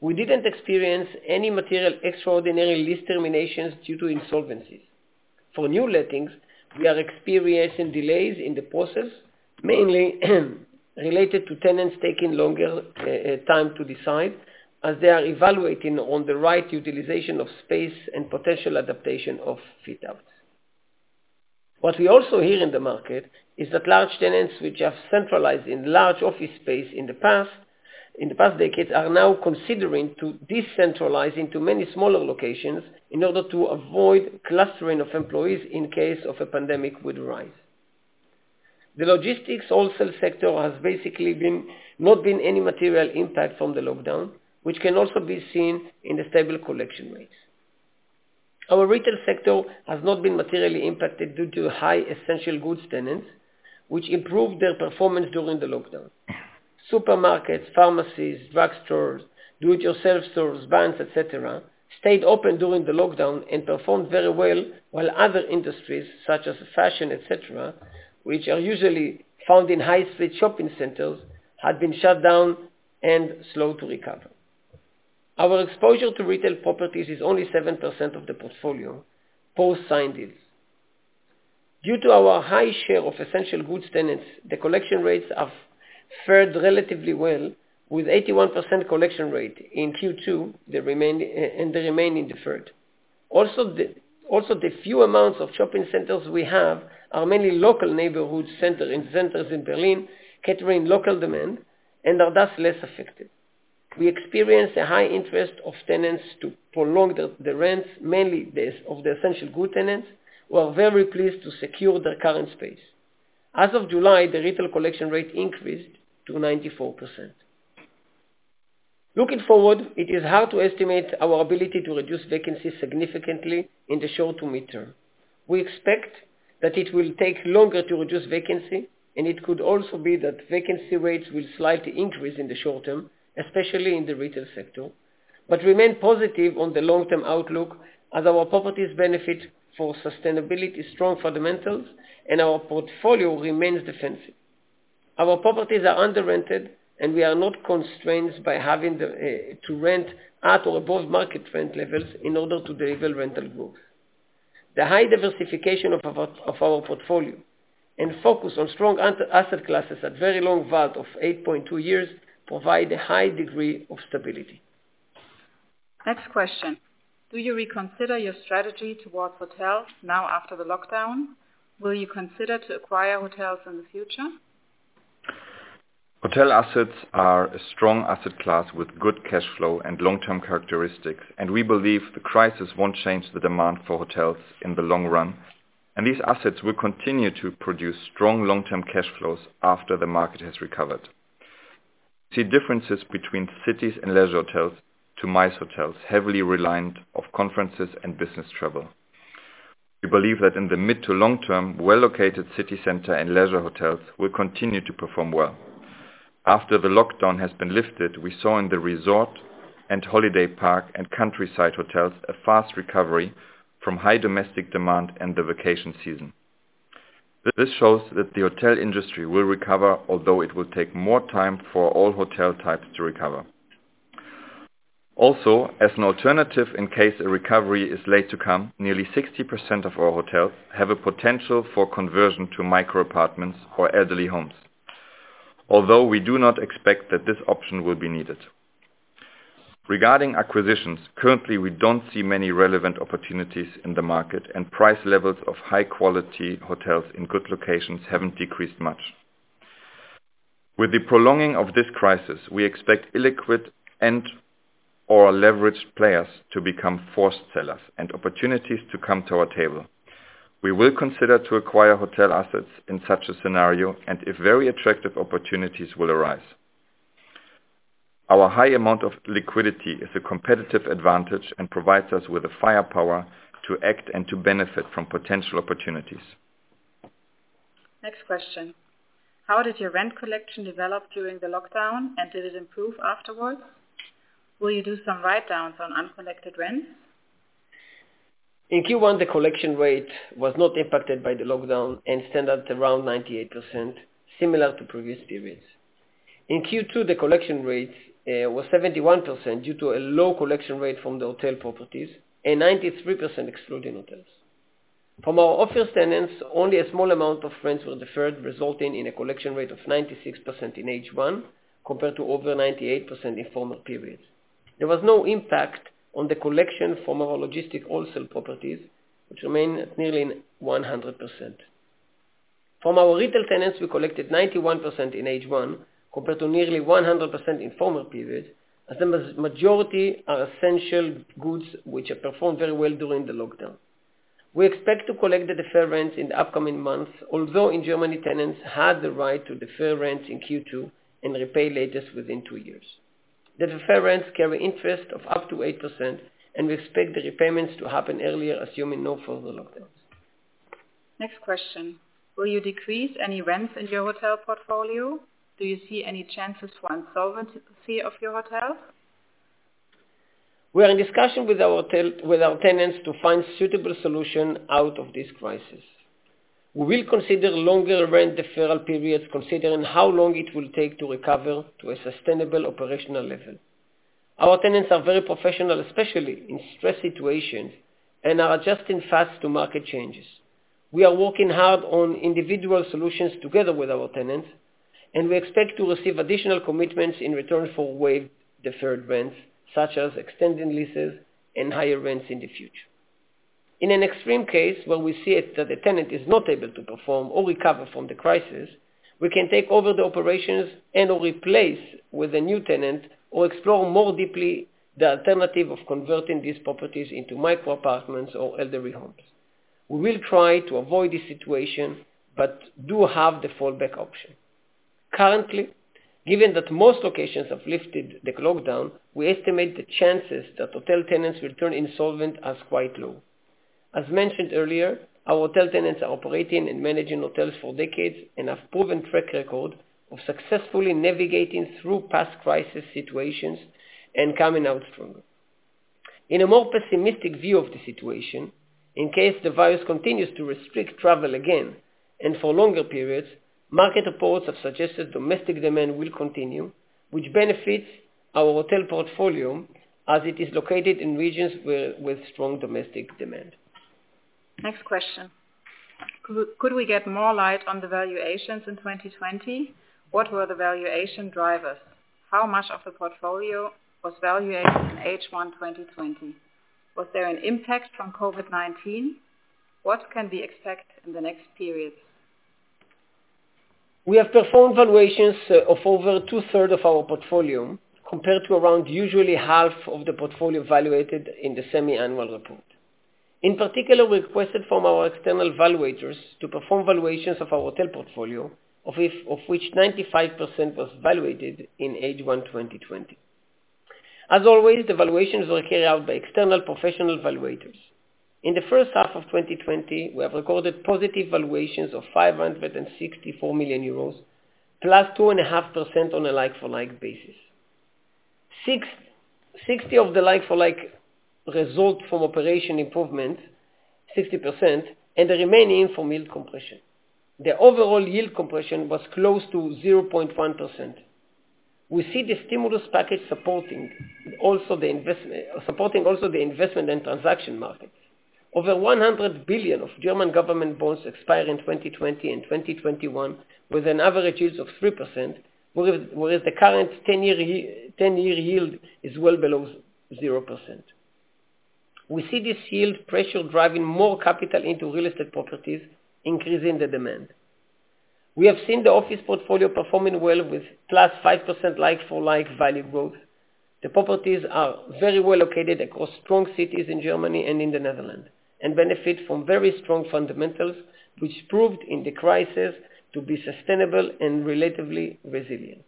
We didn't experience any material extraordinary lease terminations due to insolvencies. For new lettings, we are experiencing delays in the process, mainly related to tenants taking longer time to decide, as they are evaluating on the right utilization of space and potential adaptation of fit outs. What we also hear in the market is that large tenants which have centralized in large office space in the past, in the past decades, are now considering to decentralize into many smaller locations in order to avoid clustering of employees in case of a pandemic would arise. The logistics wholesale sector has basically not been any material impact from the lockdown, which can also be seen in the stable collection rates. Our retail sector has not been materially impacted due to high essential goods tenants, which improved their performance during the lockdown. Supermarkets, pharmacies, drugstores, do-it-yourself stores, banks, et cetera, stayed open during the lockdown and performed very well, while other industries, such as fashion, et cetera, which are usually found in high street shopping centers, had been shut down and slow to recover. Our exposure to retail properties is only 7% of the portfolio, post signed deals. Due to our high share of essential goods tenants, the collection rates have fared relatively well, with 81% collection rate in Q2, the remainder and the remaining deferred. Also, the few amounts of shopping centers we have are mainly local neighborhood centers and centers in Berlin, catering local demand, and are thus less affected. We experienced a high interest of tenants to prolong the rents, mainly the of the essential good tenants, who are very pleased to secure their current space. As of July, the retail collection rate increased to 94%. Looking forward, it is hard to estimate our ability to reduce vacancies significantly in the short to mid-term. We expect that it will take longer to reduce vacancy, and it could also be that vacancy rates will slightly increase in the short term, especially in the retail sector, but remain positive on the long-term outlook, as our properties benefit for sustainability, strong fundamentals, and our portfolio remains defensive. Our properties are under-rented, and we are not constrained by having to rent at or above market rent levels in order to deliver rental growth. The high diversification of our portfolio and focus on strong asset classes at very long WALT of 8.2 years provide a high degree of stability. Next question: Do you reconsider your strategy towards hotels now after the lockdown? Will you consider to acquire hotels in the future? Hotel assets are a strong asset class with good cash flow and long-term characteristics, and we believe the crisis won't change the demand for hotels in the long run, and these assets will continue to produce strong long-term cash flows after the market has recovered. See differences between cities and leisure hotels to MICE hotels, heavily reliant of conferences and business travel. We believe that in the mid to long term, well-located city center and leisure hotels will continue to perform well. After the lockdown has been lifted, we saw in the resort and holiday park and countryside hotels, a fast recovery from high domestic demand and the vacation season. This shows that the hotel industry will recover, although it will take more time for all hotel types to recover. Also, as an alternative, in case a recovery is late to come, nearly 60% of our hotels have a potential for conversion to micro apartments or elderly homes, although we do not expect that this option will be needed. Regarding acquisitions, currently, we don't see many relevant opportunities in the market, and price levels of high quality hotels in good locations haven't decreased much. With the prolonging of this crisis, we expect illiquid and or leveraged players to become forced sellers and opportunities to come to our table. We will consider to acquire hotel assets in such a scenario, and if very attractive opportunities will arise. Our high amount of liquidity is a competitive advantage and provides us with the firepower to act and to benefit from potential opportunities. Next question: How did your rent collection develop during the lockdown, and did it improve afterwards? Will you do some write-downs on uncollected rents? In Q1, the collection rate was not impacted by the lockdown and stand at around 98%, similar to previous periods. In Q2, the collection rate was 71% due to a low collection rate from the hotel properties, and 93% excluding hotels. From our office tenants, only a small amount of rents were deferred, resulting in a collection rate of 96% in H1, compared to over 98% in former periods. There was no impact on the collection from our logistic wholesale properties, which remain at nearly 100%. From our retail tenants, we collected 91% in H1, compared to nearly 100% in former periods, as the majority are essential goods, which have performed very well during the lockdown. We expect to collect the deferred rents in the upcoming months, although in Germany, tenants had the right to defer rents in Q2 and repay latest within 2 years. The deferred rents carry interest of up to 8%, and we expect the repayments to happen earlier, assuming no further lockdowns. Next question: Will you decrease any rents in your hotel portfolio? Do you see any chances for insolvency of your hotel? We are in discussion with our tenants to find suitable solution out of this crisis. We will consider longer rent deferral periods, considering how long it will take to recover to a sustainable operational level. Our tenants are very professional, especially in stress situations, and are adjusting fast to market changes. We are working hard on individual solutions together with our tenants, and we expect to receive additional commitments in return for waived deferred rents, such as extending leases and higher rents in the future. In an extreme case, where we see it that the tenant is not able to perform or recover from the crisis, we can take over the operations and/or replace with a new tenant, or explore more deeply the alternative of converting these properties into micro apartments or elderly homes. We will try to avoid this situation, but do have the fallback option. Currently, given that most locations have lifted the lockdown, we estimate the chances that hotel tenants will turn insolvent as quite low. As mentioned earlier, our hotel tenants are operating and managing hotels for decades, and have proven track record of successfully navigating through past crisis situations and coming out stronger. In a more pessimistic view of the situation, in case the virus continues to restrict travel again, and for longer periods, market reports have suggested domestic demand will continue, which benefits our hotel portfolio, as it is located in regions with strong domestic demand. Next question: Could we get more light on the valuations in 2020? What were the valuation drivers? How much of the portfolio was valuated in H1 2020? Was there an impact from COVID-19? What can we expect in the next periods? We have performed valuations of over two-thirds of our portfolio, compared to around, usually half of the portfolio valuated in the semi-annual report. In particular, we requested from our external valuators to perform valuations of our hotel portfolio, of which 95% was valuated in H1 2020. As always, the valuations were carried out by external professional valuators. In the first half of 2020, we have recorded positive valuations of 564 million euros, +2.5% on a like-for-like basis. 60% of the like-for-like result from operation improvement, 60%, and the remaining from yield compression. The overall yield compression was close to 0.1%. We see the stimulus package supporting also the investment and transaction markets. Over 100 billion of German government bonds expire in 2020 and 2021, with an average yield of 3%, whereas the current ten-year yield is well below 0%. We see this yield pressure driving more capital into real estate properties, increasing the demand. We have seen the office portfolio performing well with +5% like-for-like value growth. The properties are very well located across strong cities in Germany and in the Netherlands, and benefit from very strong fundamentals, which proved in the crisis to be sustainable and relatively resilient.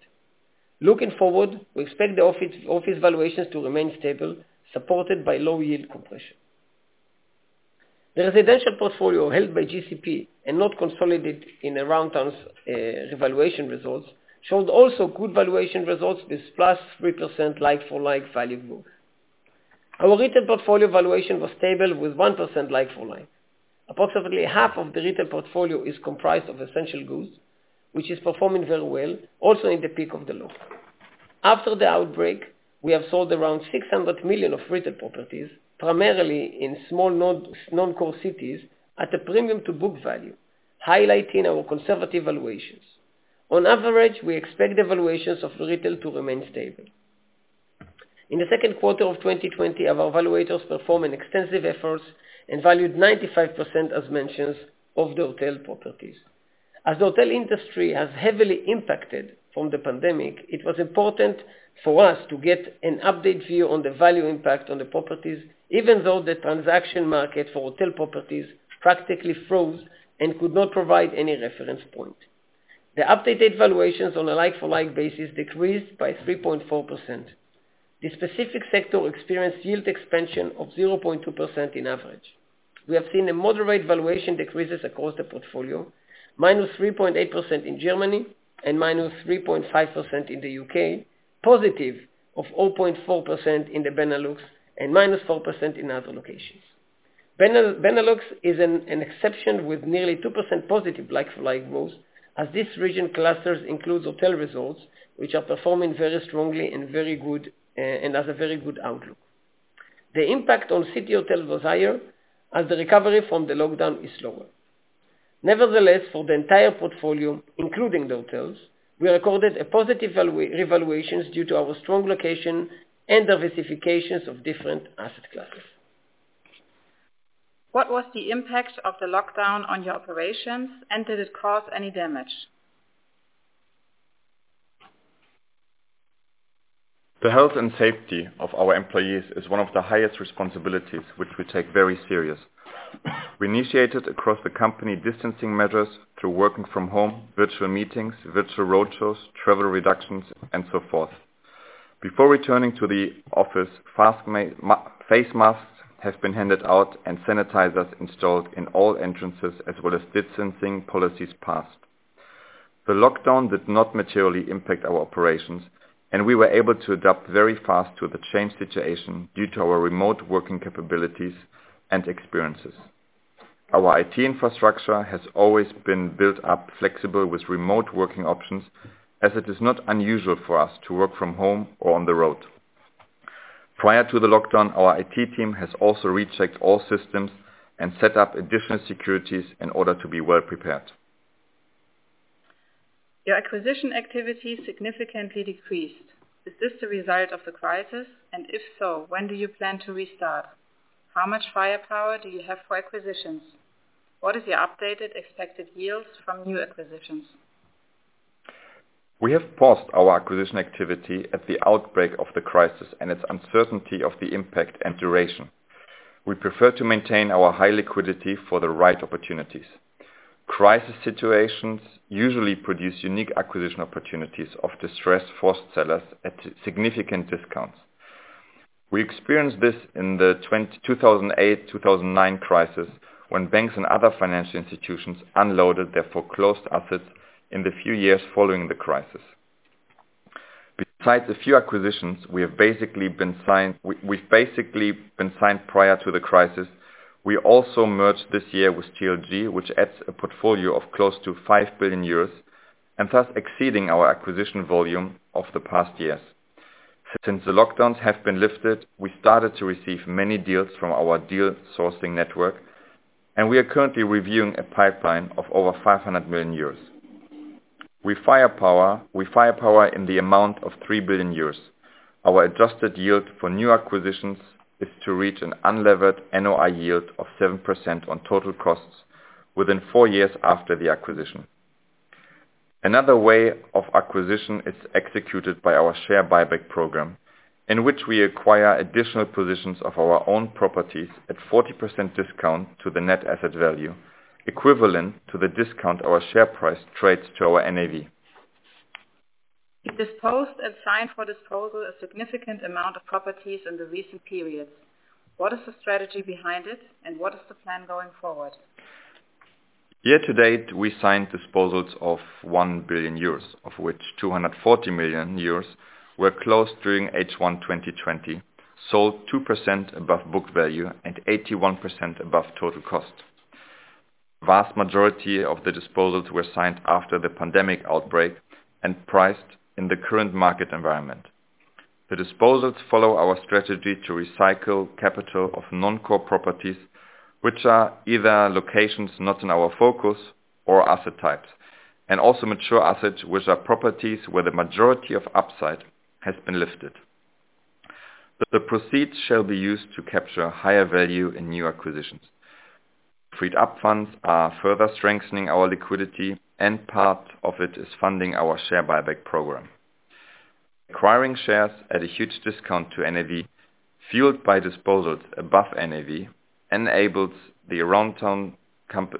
Looking forward, we expect the office valuations to remain stable, supported by low yield compression. The residential portfolio, held by GCP and not consolidated in Aroundtown's valuation results, showed also good valuation results with +3% like-for-like value growth. Our retail portfolio valuation was stable with 1% like-for-like. Approximately half of the retail portfolio is comprised of essential goods, which is performing very well, also in the peak of the lockdown. After the outbreak, we have sold around 600 million of retail properties, primarily in small non-core cities, at a premium to book value, highlighting our conservative valuations. On average, we expect the valuations of retail to remain stable. In the second quarter of 2020, our valuators performed an extensive efforts and valued 95%, as mentioned, of the hotel properties. As the hotel industry has heavily impacted from the pandemic, it was important for us to get an updated view on the value impact on the properties, even though the transaction market for hotel properties practically froze and could not provide any reference point. The updated valuations on a like-for-like basis decreased by 3.4%. The specific sector experienced yield expansion of 0.2% in average. We have seen a moderate valuation decreases across the portfolio, -3.8% in Germany and -3.5% in the U.K., positive of +0.4% in the Benelux, and -4% in other locations. Benelux, Benelux is an exception with nearly 2%+ like-for-like growth, as this region clusters includes hotel resorts, which are performing very strongly and very good, and has a very good outlook. The impact on city hotel was higher, as the recovery from the lockdown is slower. Nevertheless, for the entire portfolio, including the hotels, we recorded a positive revaluations due to our strong location and diversification of different asset classes. What was the impact of the lockdown on your operations, and did it cause any damage? The health and safety of our employees is one of the highest responsibilities, which we take very serious. We initiated across the company, distancing measures through working from home, virtual meetings, virtual roadshows, travel reductions, and so forth. Before returning to the office, face masks has been handed out and sanitizers installed in all entrances, as well as distancing policies passed. The lockdown did not materially impact our operations, and we were able to adapt very fast to the changed situation due to our remote working capabilities and experiences. Our IT infrastructure has always been built up flexible with remote working options, as it is not unusual for us to work from home or on the road. Prior to the lockdown, our IT team has also rechecked all systems and set up additional securities in order to be well prepared. Your acquisition activity significantly decreased. Is this the result of the crisis? And if so, when do you plan to restart? How much firepower do you have for acquisitions? What is your updated expected yields from new acquisitions? We have paused our acquisition activity at the outbreak of the crisis and its uncertainty of the impact and duration. We prefer to maintain our high liquidity for the right opportunities. Crisis situations usually produce unique acquisition opportunities of distressed forced sellers at significant discounts. We experienced this in the 2008-2009 crisis, when banks and other financial institutions unloaded their foreclosed assets in the few years following the crisis. Besides a few acquisitions, we've basically been sidelined prior to the crisis. We also merged this year with TLG, which adds a portfolio of close to 5 billion euros, and thus exceeding our acquisition volume of the past years. Since the lockdowns have been lifted, we started to receive many deals from our deal sourcing network, and we are currently reviewing a pipeline of over 500 million euros. We have firepower in the amount of 3 billion euros. Our adjusted yield for new acquisitions is to reach an unlevered NOI yield of 7% on total costs within four years after the acquisition. Another way of acquisition is executed by our share buyback program, in which we acquire additional positions of our own properties at 40% discount to the net asset value, equivalent to the discount our share price trades to our NAV. You disposed and signed for disposal a significant amount of properties in the recent periods. What is the strategy behind it, and what is the plan going forward? Year to date, we signed disposals of 1 billion euros, of which 240 million euros were closed during H1 2020, sold 2% above book value and 81% above total cost. Vast majority of the disposals were signed after the pandemic outbreak and priced in the current market environment. The disposals follow our strategy to recycle capital of non-core properties, which are either locations not in our focus or asset types, and also mature assets, which are properties where the majority of upside has been lifted. The proceeds shall be used to capture higher value in new acquisitions. Freed up funds are further strengthening our liquidity, and part of it is funding our share buyback program. Acquiring shares at a huge discount to NAV, fueled by disposals above NAV, enables the Aroundtown comp,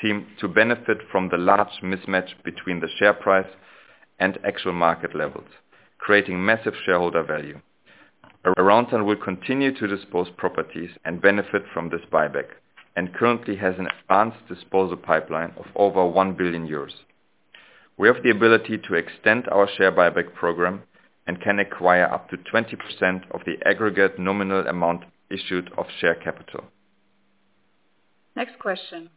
team to benefit from the large mismatch between the share price and actual market levels, creating massive shareholder value. Aroundtown will continue to dispose properties and benefit from this buyback, and currently has an advanced disposal pipeline of over 1 billion. We have the ability to extend our share buyback program and can acquire up to 20% of the aggregate nominal amount issued of share capital. Next question: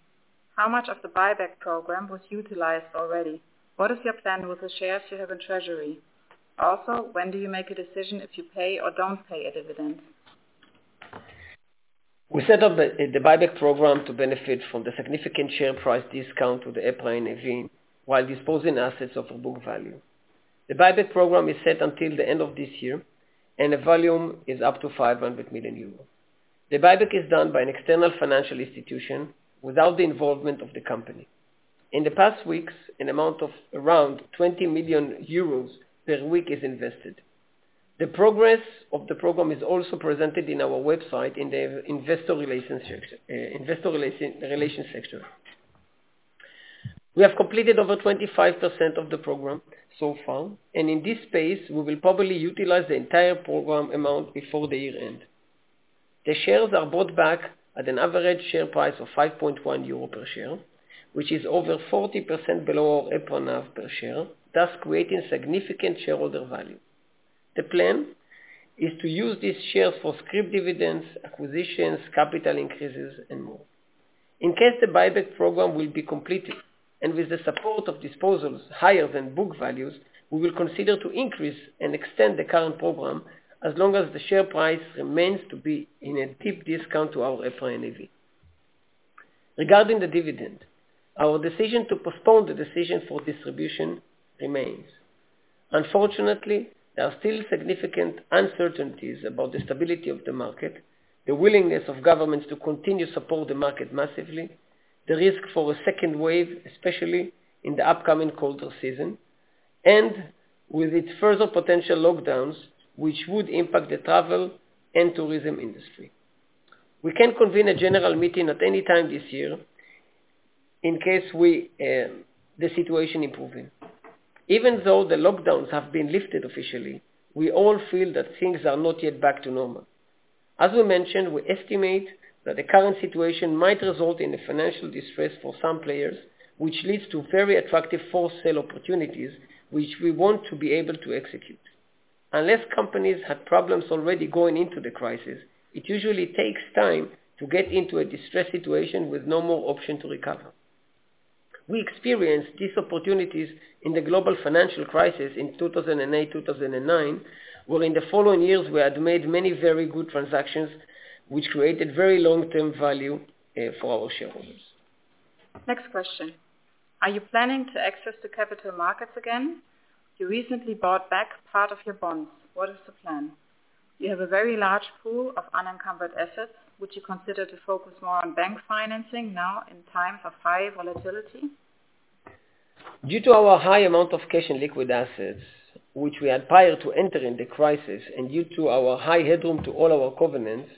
How much of the buyback program was utilized already? What is your plan with the shares you have in treasury? Also, when do you make a decision if you pay or don't pay a dividend?... We set up the buyback program to benefit from the significant share price discount to the EPRA NAV, while disposing assets above our book value. The buyback program is set until the end of this year, and the volume is up to 500 million euros. The buyback is done by an external financial institution without the involvement of the company. In the past weeks, an amount of around 20 million euros per week is invested. The progress of the program is also presented in our website in the investor relations section, investor relations section. We have completed over 25% of the program so far, and at this pace, we will probably utilize the entire program amount before the year end. The shares are bought back at an average share price of 5.1 euro per share, which is over 40% below our EPRA NAV per share, thus creating significant shareholder value. The plan is to use these shares for scrip dividends, acquisitions, capital increases, and more. In case the buyback program will be completed, and with the support of disposals higher than book values, we will consider to increase and extend the current program as long as the share price remains to be in a deep discount to our EPRA NAV. Regarding the dividend, our decision to postpone the decision for distribution remains. Unfortunately, there are still significant uncertainties about the stability of the market, the willingness of governments to continue to support the market massively, the risk for a second wave, especially in the upcoming colder season, and with its further potential lockdowns, which would impact the travel and tourism industry. We can convene a general meeting at any time this year in case we, the situation improving. Even though the lockdowns have been lifted officially, we all feel that things are not yet back to normal. As we mentioned, we estimate that the current situation might result in a financial distress for some players, which leads to very attractive for-sale opportunities, which we want to be able to execute. Unless companies had problems already going into the crisis, it usually takes time to get into a distressed situation with no more option to recover. We experienced these opportunities in the global financial crisis in 2008, 2009, where in the following years, we had made many very good transactions, which created very long-term value for our shareholders. Next question: Are you planning to access the capital markets again? You recently bought back part of your bonds. What is the plan? You have a very large pool of unencumbered assets, would you consider to focus more on bank financing now in times of high volatility? Due to our high amount of cash and liquid assets, which we had prior to entering the crisis, and due to our high headroom to all our covenants,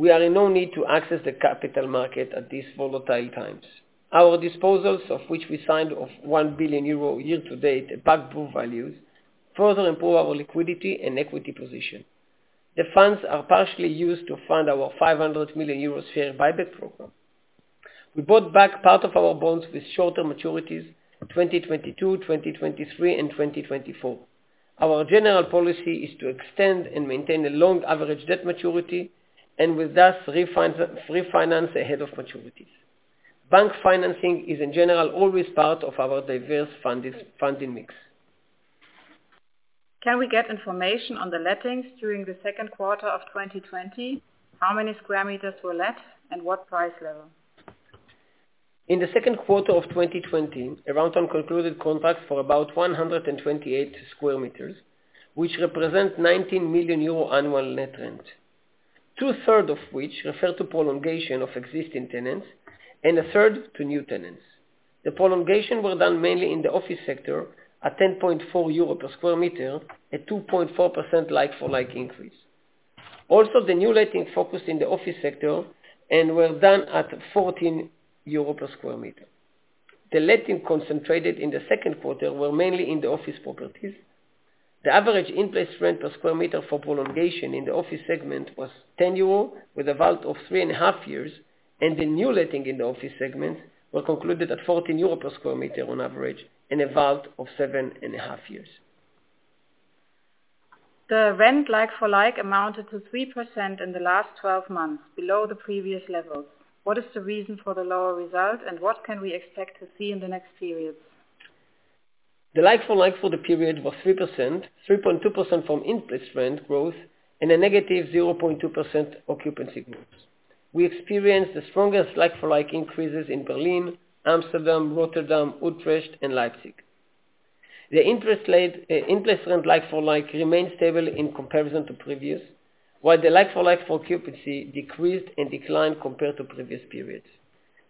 we are in no need to access the capital market at these volatile times. Our disposals, of which we signed off 1 billion euro year to date at book values, further improve our liquidity and equity position. The funds are partially used to fund our 500 million euro share buyback program. We bought back part of our bonds with shorter maturities, 2022, 2023, and 2024. Our general policy is to extend and maintain a long average debt maturity, and thus, refinance ahead of maturities. Bank financing is in general always part of our diverse funding mix. Can we get information on the lettings during the second quarter of 2020? How many square meters were let, and what price level? In the second quarter of 2020, Aroundtown concluded contracts for about 128 sq m, which represent 19 million euro annual net rent. Two-thirds of which refer to prolongation of existing tenants, and a third to new tenants. The prolongation were done mainly in the office sector at 10.4 euro per sq m, at 2.4% like-for-like increase. Also, the new letting focused in the office sector and were done at 14 euro per sq m. The letting concentrated in the second quarter were mainly in the office properties. The average in-place rent per square meter for prolongation in the office segment was 10 euro, with a WALT of 3.5 years, and the new letting in the office segment were concluded at 14 euro per square meter on average, in a WALT of 7.5 years. The rent like-for-like amounted to 3% in the last 12 months, below the previous levels. What is the reason for the lower result, and what can we expect to see in the next periods? The like for like for the period was 3%, 3.2% from in-place rent growth, and a negative 0.2% occupancy growth. We experienced the strongest like for like increases in Berlin, Amsterdam, Rotterdam, Utrecht, and Leipzig. The in-place rent like for like remains stable in comparison to previous, while the like for like for occupancy decreased and declined compared to previous periods.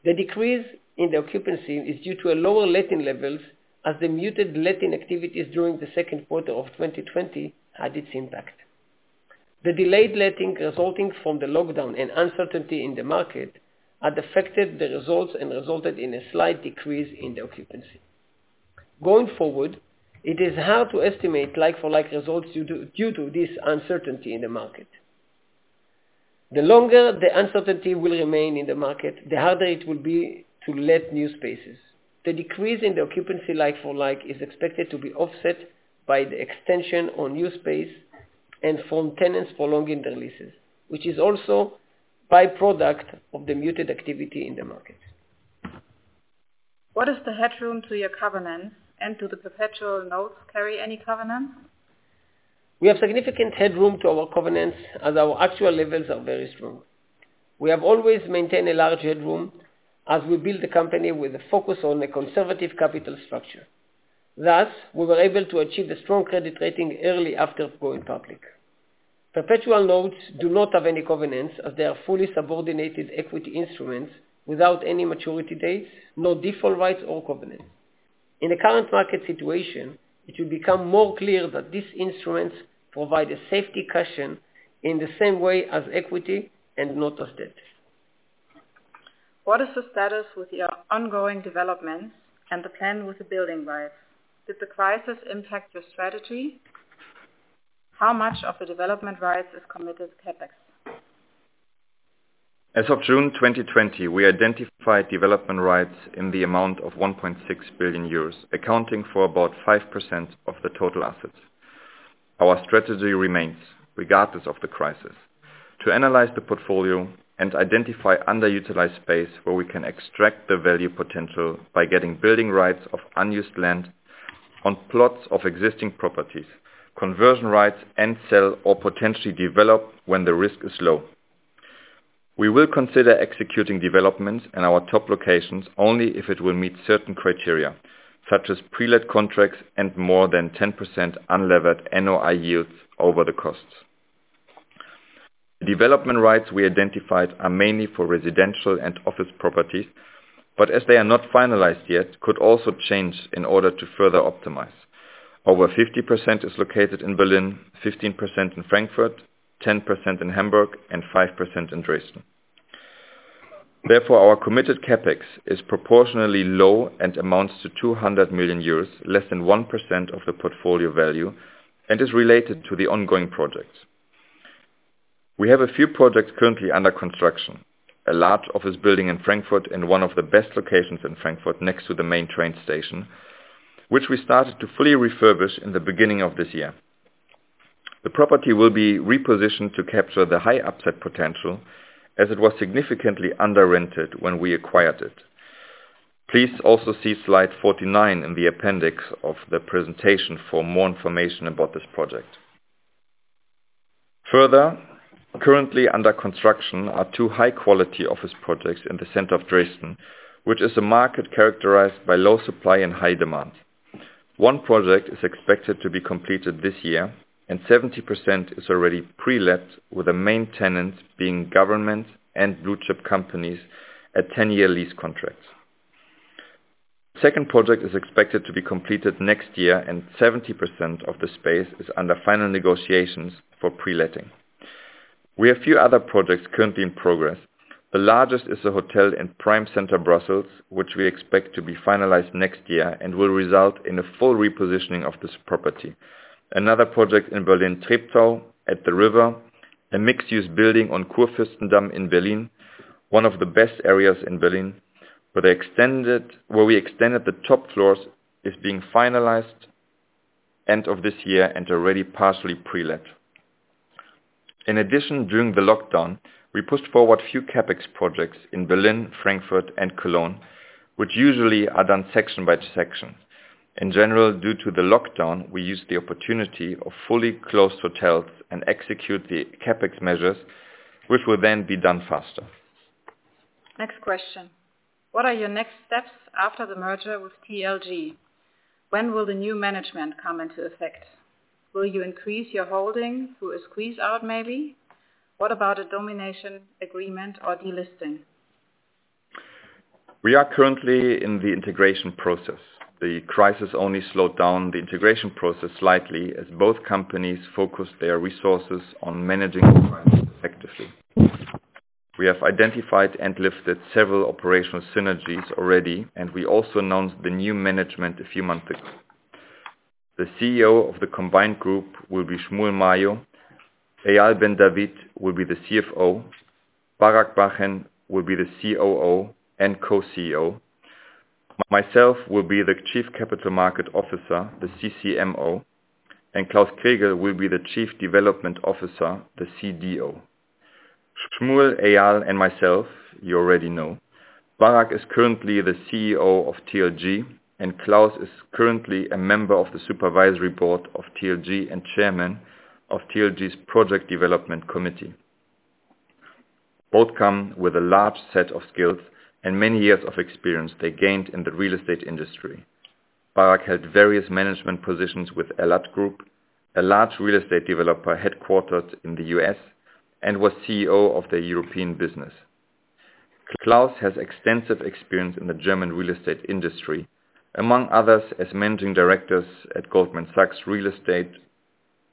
The decrease in the occupancy is due to a lower letting levels, as the muted letting activities during the second quarter of 2020 had its impact. The delayed letting, resulting from the lockdown and uncertainty in the market, had affected the results and resulted in a slight decrease in the occupancy. Going forward, it is hard to estimate like for like results due to, due to this uncertainty in the market. The longer the uncertainty will remain in the market, the harder it will be to let new spaces. The decrease in the occupancy like-for-like is expected to be offset by the extension on new space and from tenants prolonging the leases, which is also by-product of the muted activity in the market.... What is the headroom to your covenants, and do the Perpetual Notes carry any covenants? We have significant headroom to our covenants, as our actual levels are very strong. We have always maintained a large headroom as we build the company with a focus on the conservative capital structure. Thus, we were able to achieve a strong credit rating early after going public. Perpetual loans do not have any covenants, as they are fully subordinated equity instruments without any maturity dates, no default rights, or covenants. In the current market situation, it will become more clear that these instruments provide a safety cushion in the same way as equity and not as debt. What is the status with your ongoing developments and the plan with the building rights? Did the crisis impact your strategy? How much of the development rights is committed CapEx? As of June 2020, we identified development rights in the amount of 1.6 billion euros, accounting for about 5% of the total assets. Our strategy remains, regardless of the crisis, to analyze the portfolio and identify underutilized space where we can extract the value potential by getting building rights of unused land on plots of existing properties, conversion rights, and sell or potentially develop when the risk is low. We will consider executing developments in our top locations only if it will meet certain criteria, such as prelet contracts and more than 10% unlevered NOI yields over the costs. The development rights we identified are mainly for residential and office properties, but as they are not finalized yet, could also change in order to further optimize. Over 50% is located in Berlin, 15% in Frankfurt, 10% in Hamburg, and 5% in Dresden. Therefore, our committed CapEx is proportionally low and amounts to 200 million euros, less than 1% of the portfolio value, and is related to the ongoing projects. We have a few projects currently under construction. A large office building in Frankfurt, in one of the best locations in Frankfurt, next to the main train station, which we started to fully refurbish in the beginning of this year. The property will be repositioned to capture the high upside potential, as it was significantly under-rented when we acquired it. Please also see slide 49 in the appendix of the presentation for more information about this project. Further, currently under construction are 2 high quality office projects in the center of Dresden, which is a market characterized by low supply and high demand. One project is expected to be completed this year, and 70% is already prelet, with the main tenants being government and blue chip companies at 10-year lease contracts. Second project is expected to be completed next year, and 70% of the space is under final negotiations for pre-letting. We have a few other projects currently in progress. The largest is a hotel in prime center Brussels, which we expect to be finalized next year and will result in a full repositioning of this property. Another project in Berlin, Treptow, at the river, a mixed-use building on Kurfürstendamm in Berlin, one of the best areas in Berlin, where we extended the top floors, is being finalized end of this year and already partially prelet. In addition, during the lockdown, we pushed forward a few CapEx projects in Berlin, Frankfurt, and Cologne, which usually are done section by section. In general, due to the lockdown, we used the opportunity of fully closed hotels and execute the CapEx measures, which will then be done faster. Next question: What are your next steps after the merger with TLG? When will the new management come into effect? Will you increase your holding through a squeeze out, maybe? What about a domination agreement or delisting? We are currently in the integration process. The crisis only slowed down the integration process slightly, as both companies focused their resources on managing the crisis effectively. We have identified and lifted several operational synergies already, and we also announced the new management a few months ago. The CEO of the combined group will be Shmuel Mayo. Eyal Ben David will be the CFO. Barak Bar-Hen will be the COO and co-CEO. Myself will be the Chief Capital Markets Officer, the CCMO, and Klaus Krägel will be the Chief Development Officer, the CDO. Shmuel, Eyal, and myself, you already know. Barak is currently the CEO of TLG, and Klaus is currently a member of the supervisory board of TLG and chairman of TLG's project development committee. Both come with a large set of skills and many years of experience they gained in the real estate industry. Barak held various management positions with Elad Group, a large real estate developer, headquartered in the U.S., and was CEO of the European business. Klaus Krägel has extensive experience in the German real estate industry, among others, as managing directors at Goldman Sachs Real Estate,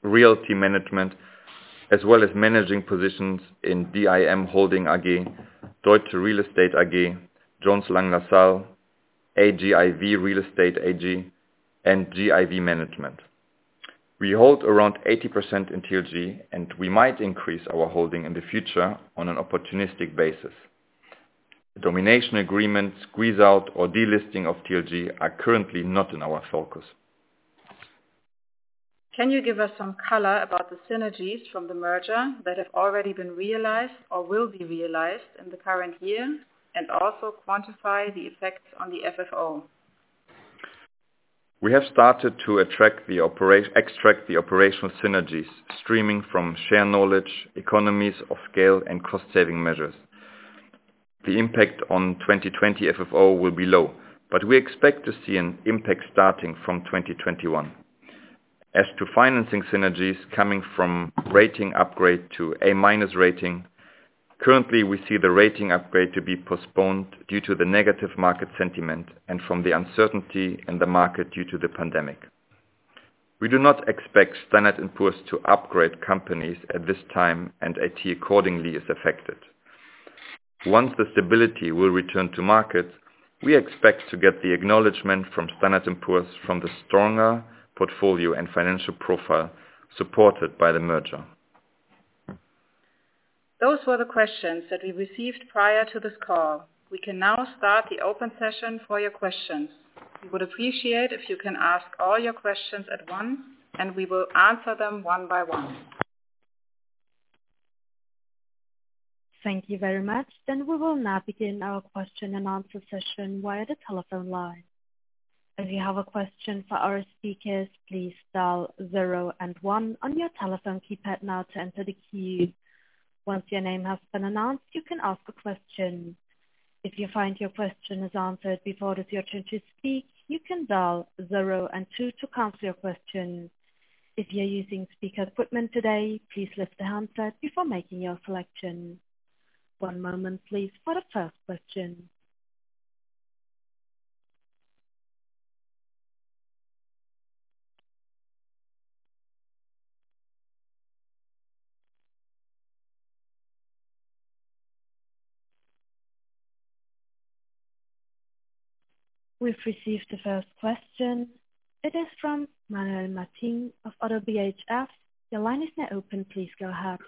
Realty Management, as well as managing positions in DIM Holding AG, Deutsche Real Estate AG, Jones Lang LaSalle, AGIV Real Estate AG, and GIV Management. We hold around 80% in TLG, and we might increase our holding in the future on an opportunistic basis. Domination agreement, squeeze out, or delisting of TLG are currently not in our focus.... Can you give us some color about the synergies from the merger that have already been realized or will be realized in the current year, and also quantify the effects on the FFO? We have started to extract the operational synergies stemming from shared knowledge, economies of scale and cost saving measures. The impact on 2020 FFO will be low, but we expect to see an impact starting from 2021. As to financing synergies coming from rating upgrade to A minus rating, currently, we see the rating upgrade to be postponed due to the negative market sentiment and from the uncertainty in the market due to the pandemic. We do not expect Standard & Poor's to upgrade companies at this time, and it accordingly is affected. Once the stability will return to market, we expect to get the acknowledgement from Standard & Poor's from the stronger portfolio and financial profile supported by the merger. Those were the questions that we received prior to this call. We can now start the open session for your questions. We would appreciate if you can ask all your questions at once, and we will answer them one by one. Thank you very much. Then we will now begin our question-and-answer session via the telephone line. If you have a question for our speakers, please dial zero and one on your telephone keypad now to enter the queue. Once your name has been announced, you can ask a question. If you find your question is answered before it is your turn to speak, you can dial zero and two to cancel your question. If you're using speaker equipment today, please lift the handset before making your selection. One moment, please, for the first question. We've received the first question. It is from Manuel Martin of ODDO BHF. Your line is now open, please go ahead.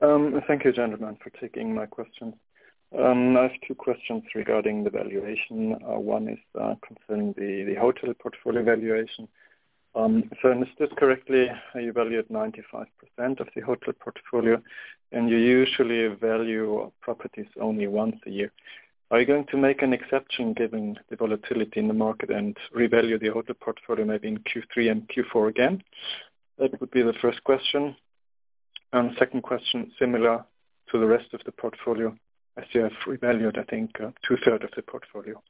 Thank you, gentlemen, for taking my questions. I have two questions regarding the valuation. One is concerning the hotel portfolio valuation. So understood correctly, you valued 95% of the hotel portfolio, and you usually value properties only once a year. Are you going to make an exception, given the volatility in the market, and revalue the hotel portfolio, maybe in Q3 and Q4 again? That would be the first question. And second question, similar to the rest of the portfolio, as you have revalued, I think, two-thirds of the portfolio.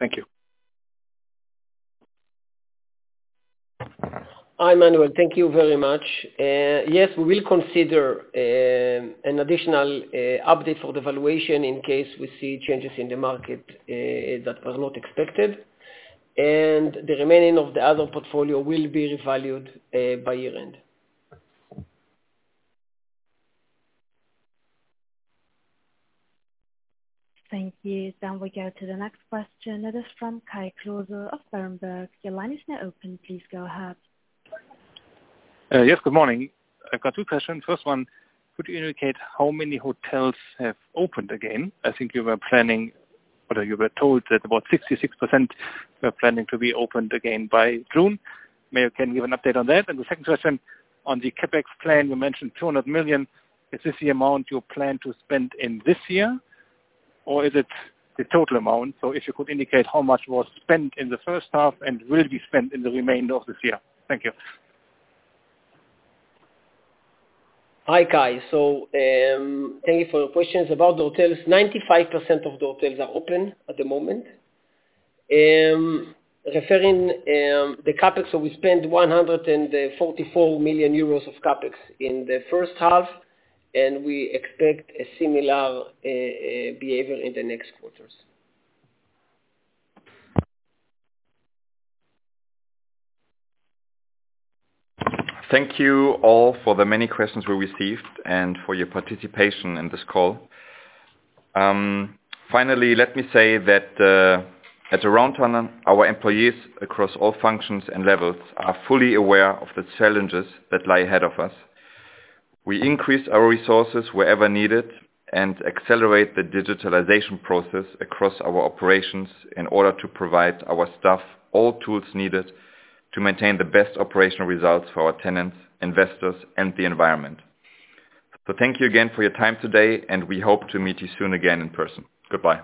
Thank you. Hi, Manuel, thank you very much. Yes, we will consider an additional update for the valuation in case we see changes in the market that were not expected. The remaining of the other portfolio will be revalued by year-end. Thank you. Then we go to the next question. It is from Kai Klose of Berenberg. Your line is now open, please go ahead. Yes, good morning. I've got two questions. First one: Could you indicate how many hotels have opened again? I think you were planning, or you were told that about 66% were planning to be opened again by June. May you, can you give an update on that? And the second question, on the CapEx plan, you mentioned 200 million. Is this the amount you plan to spend in this year, or is it the total amount? So if you could indicate how much was spent in the first half and will be spent in the remainder of this year. Thank you. Hi, Kai. So, thank you for your questions. About the hotels, 95% of the hotels are open at the moment. Referring, the CapEx, so we spent 144 million euros of CapEx in the first half, and we expect a similar behavior in the next quarters. Thank you all for the many questions we received and for your participation in this call. Finally, let me say that, at Aroundtown, our employees across all functions and levels are fully aware of the challenges that lie ahead of us. We increase our resources wherever needed and accelerate the digitalization process across our operations in order to provide our staff all tools needed to maintain the best operational results for our tenants, investors, and the environment. So thank you again for your time today, and we hope to meet you soon again in person. Goodbye.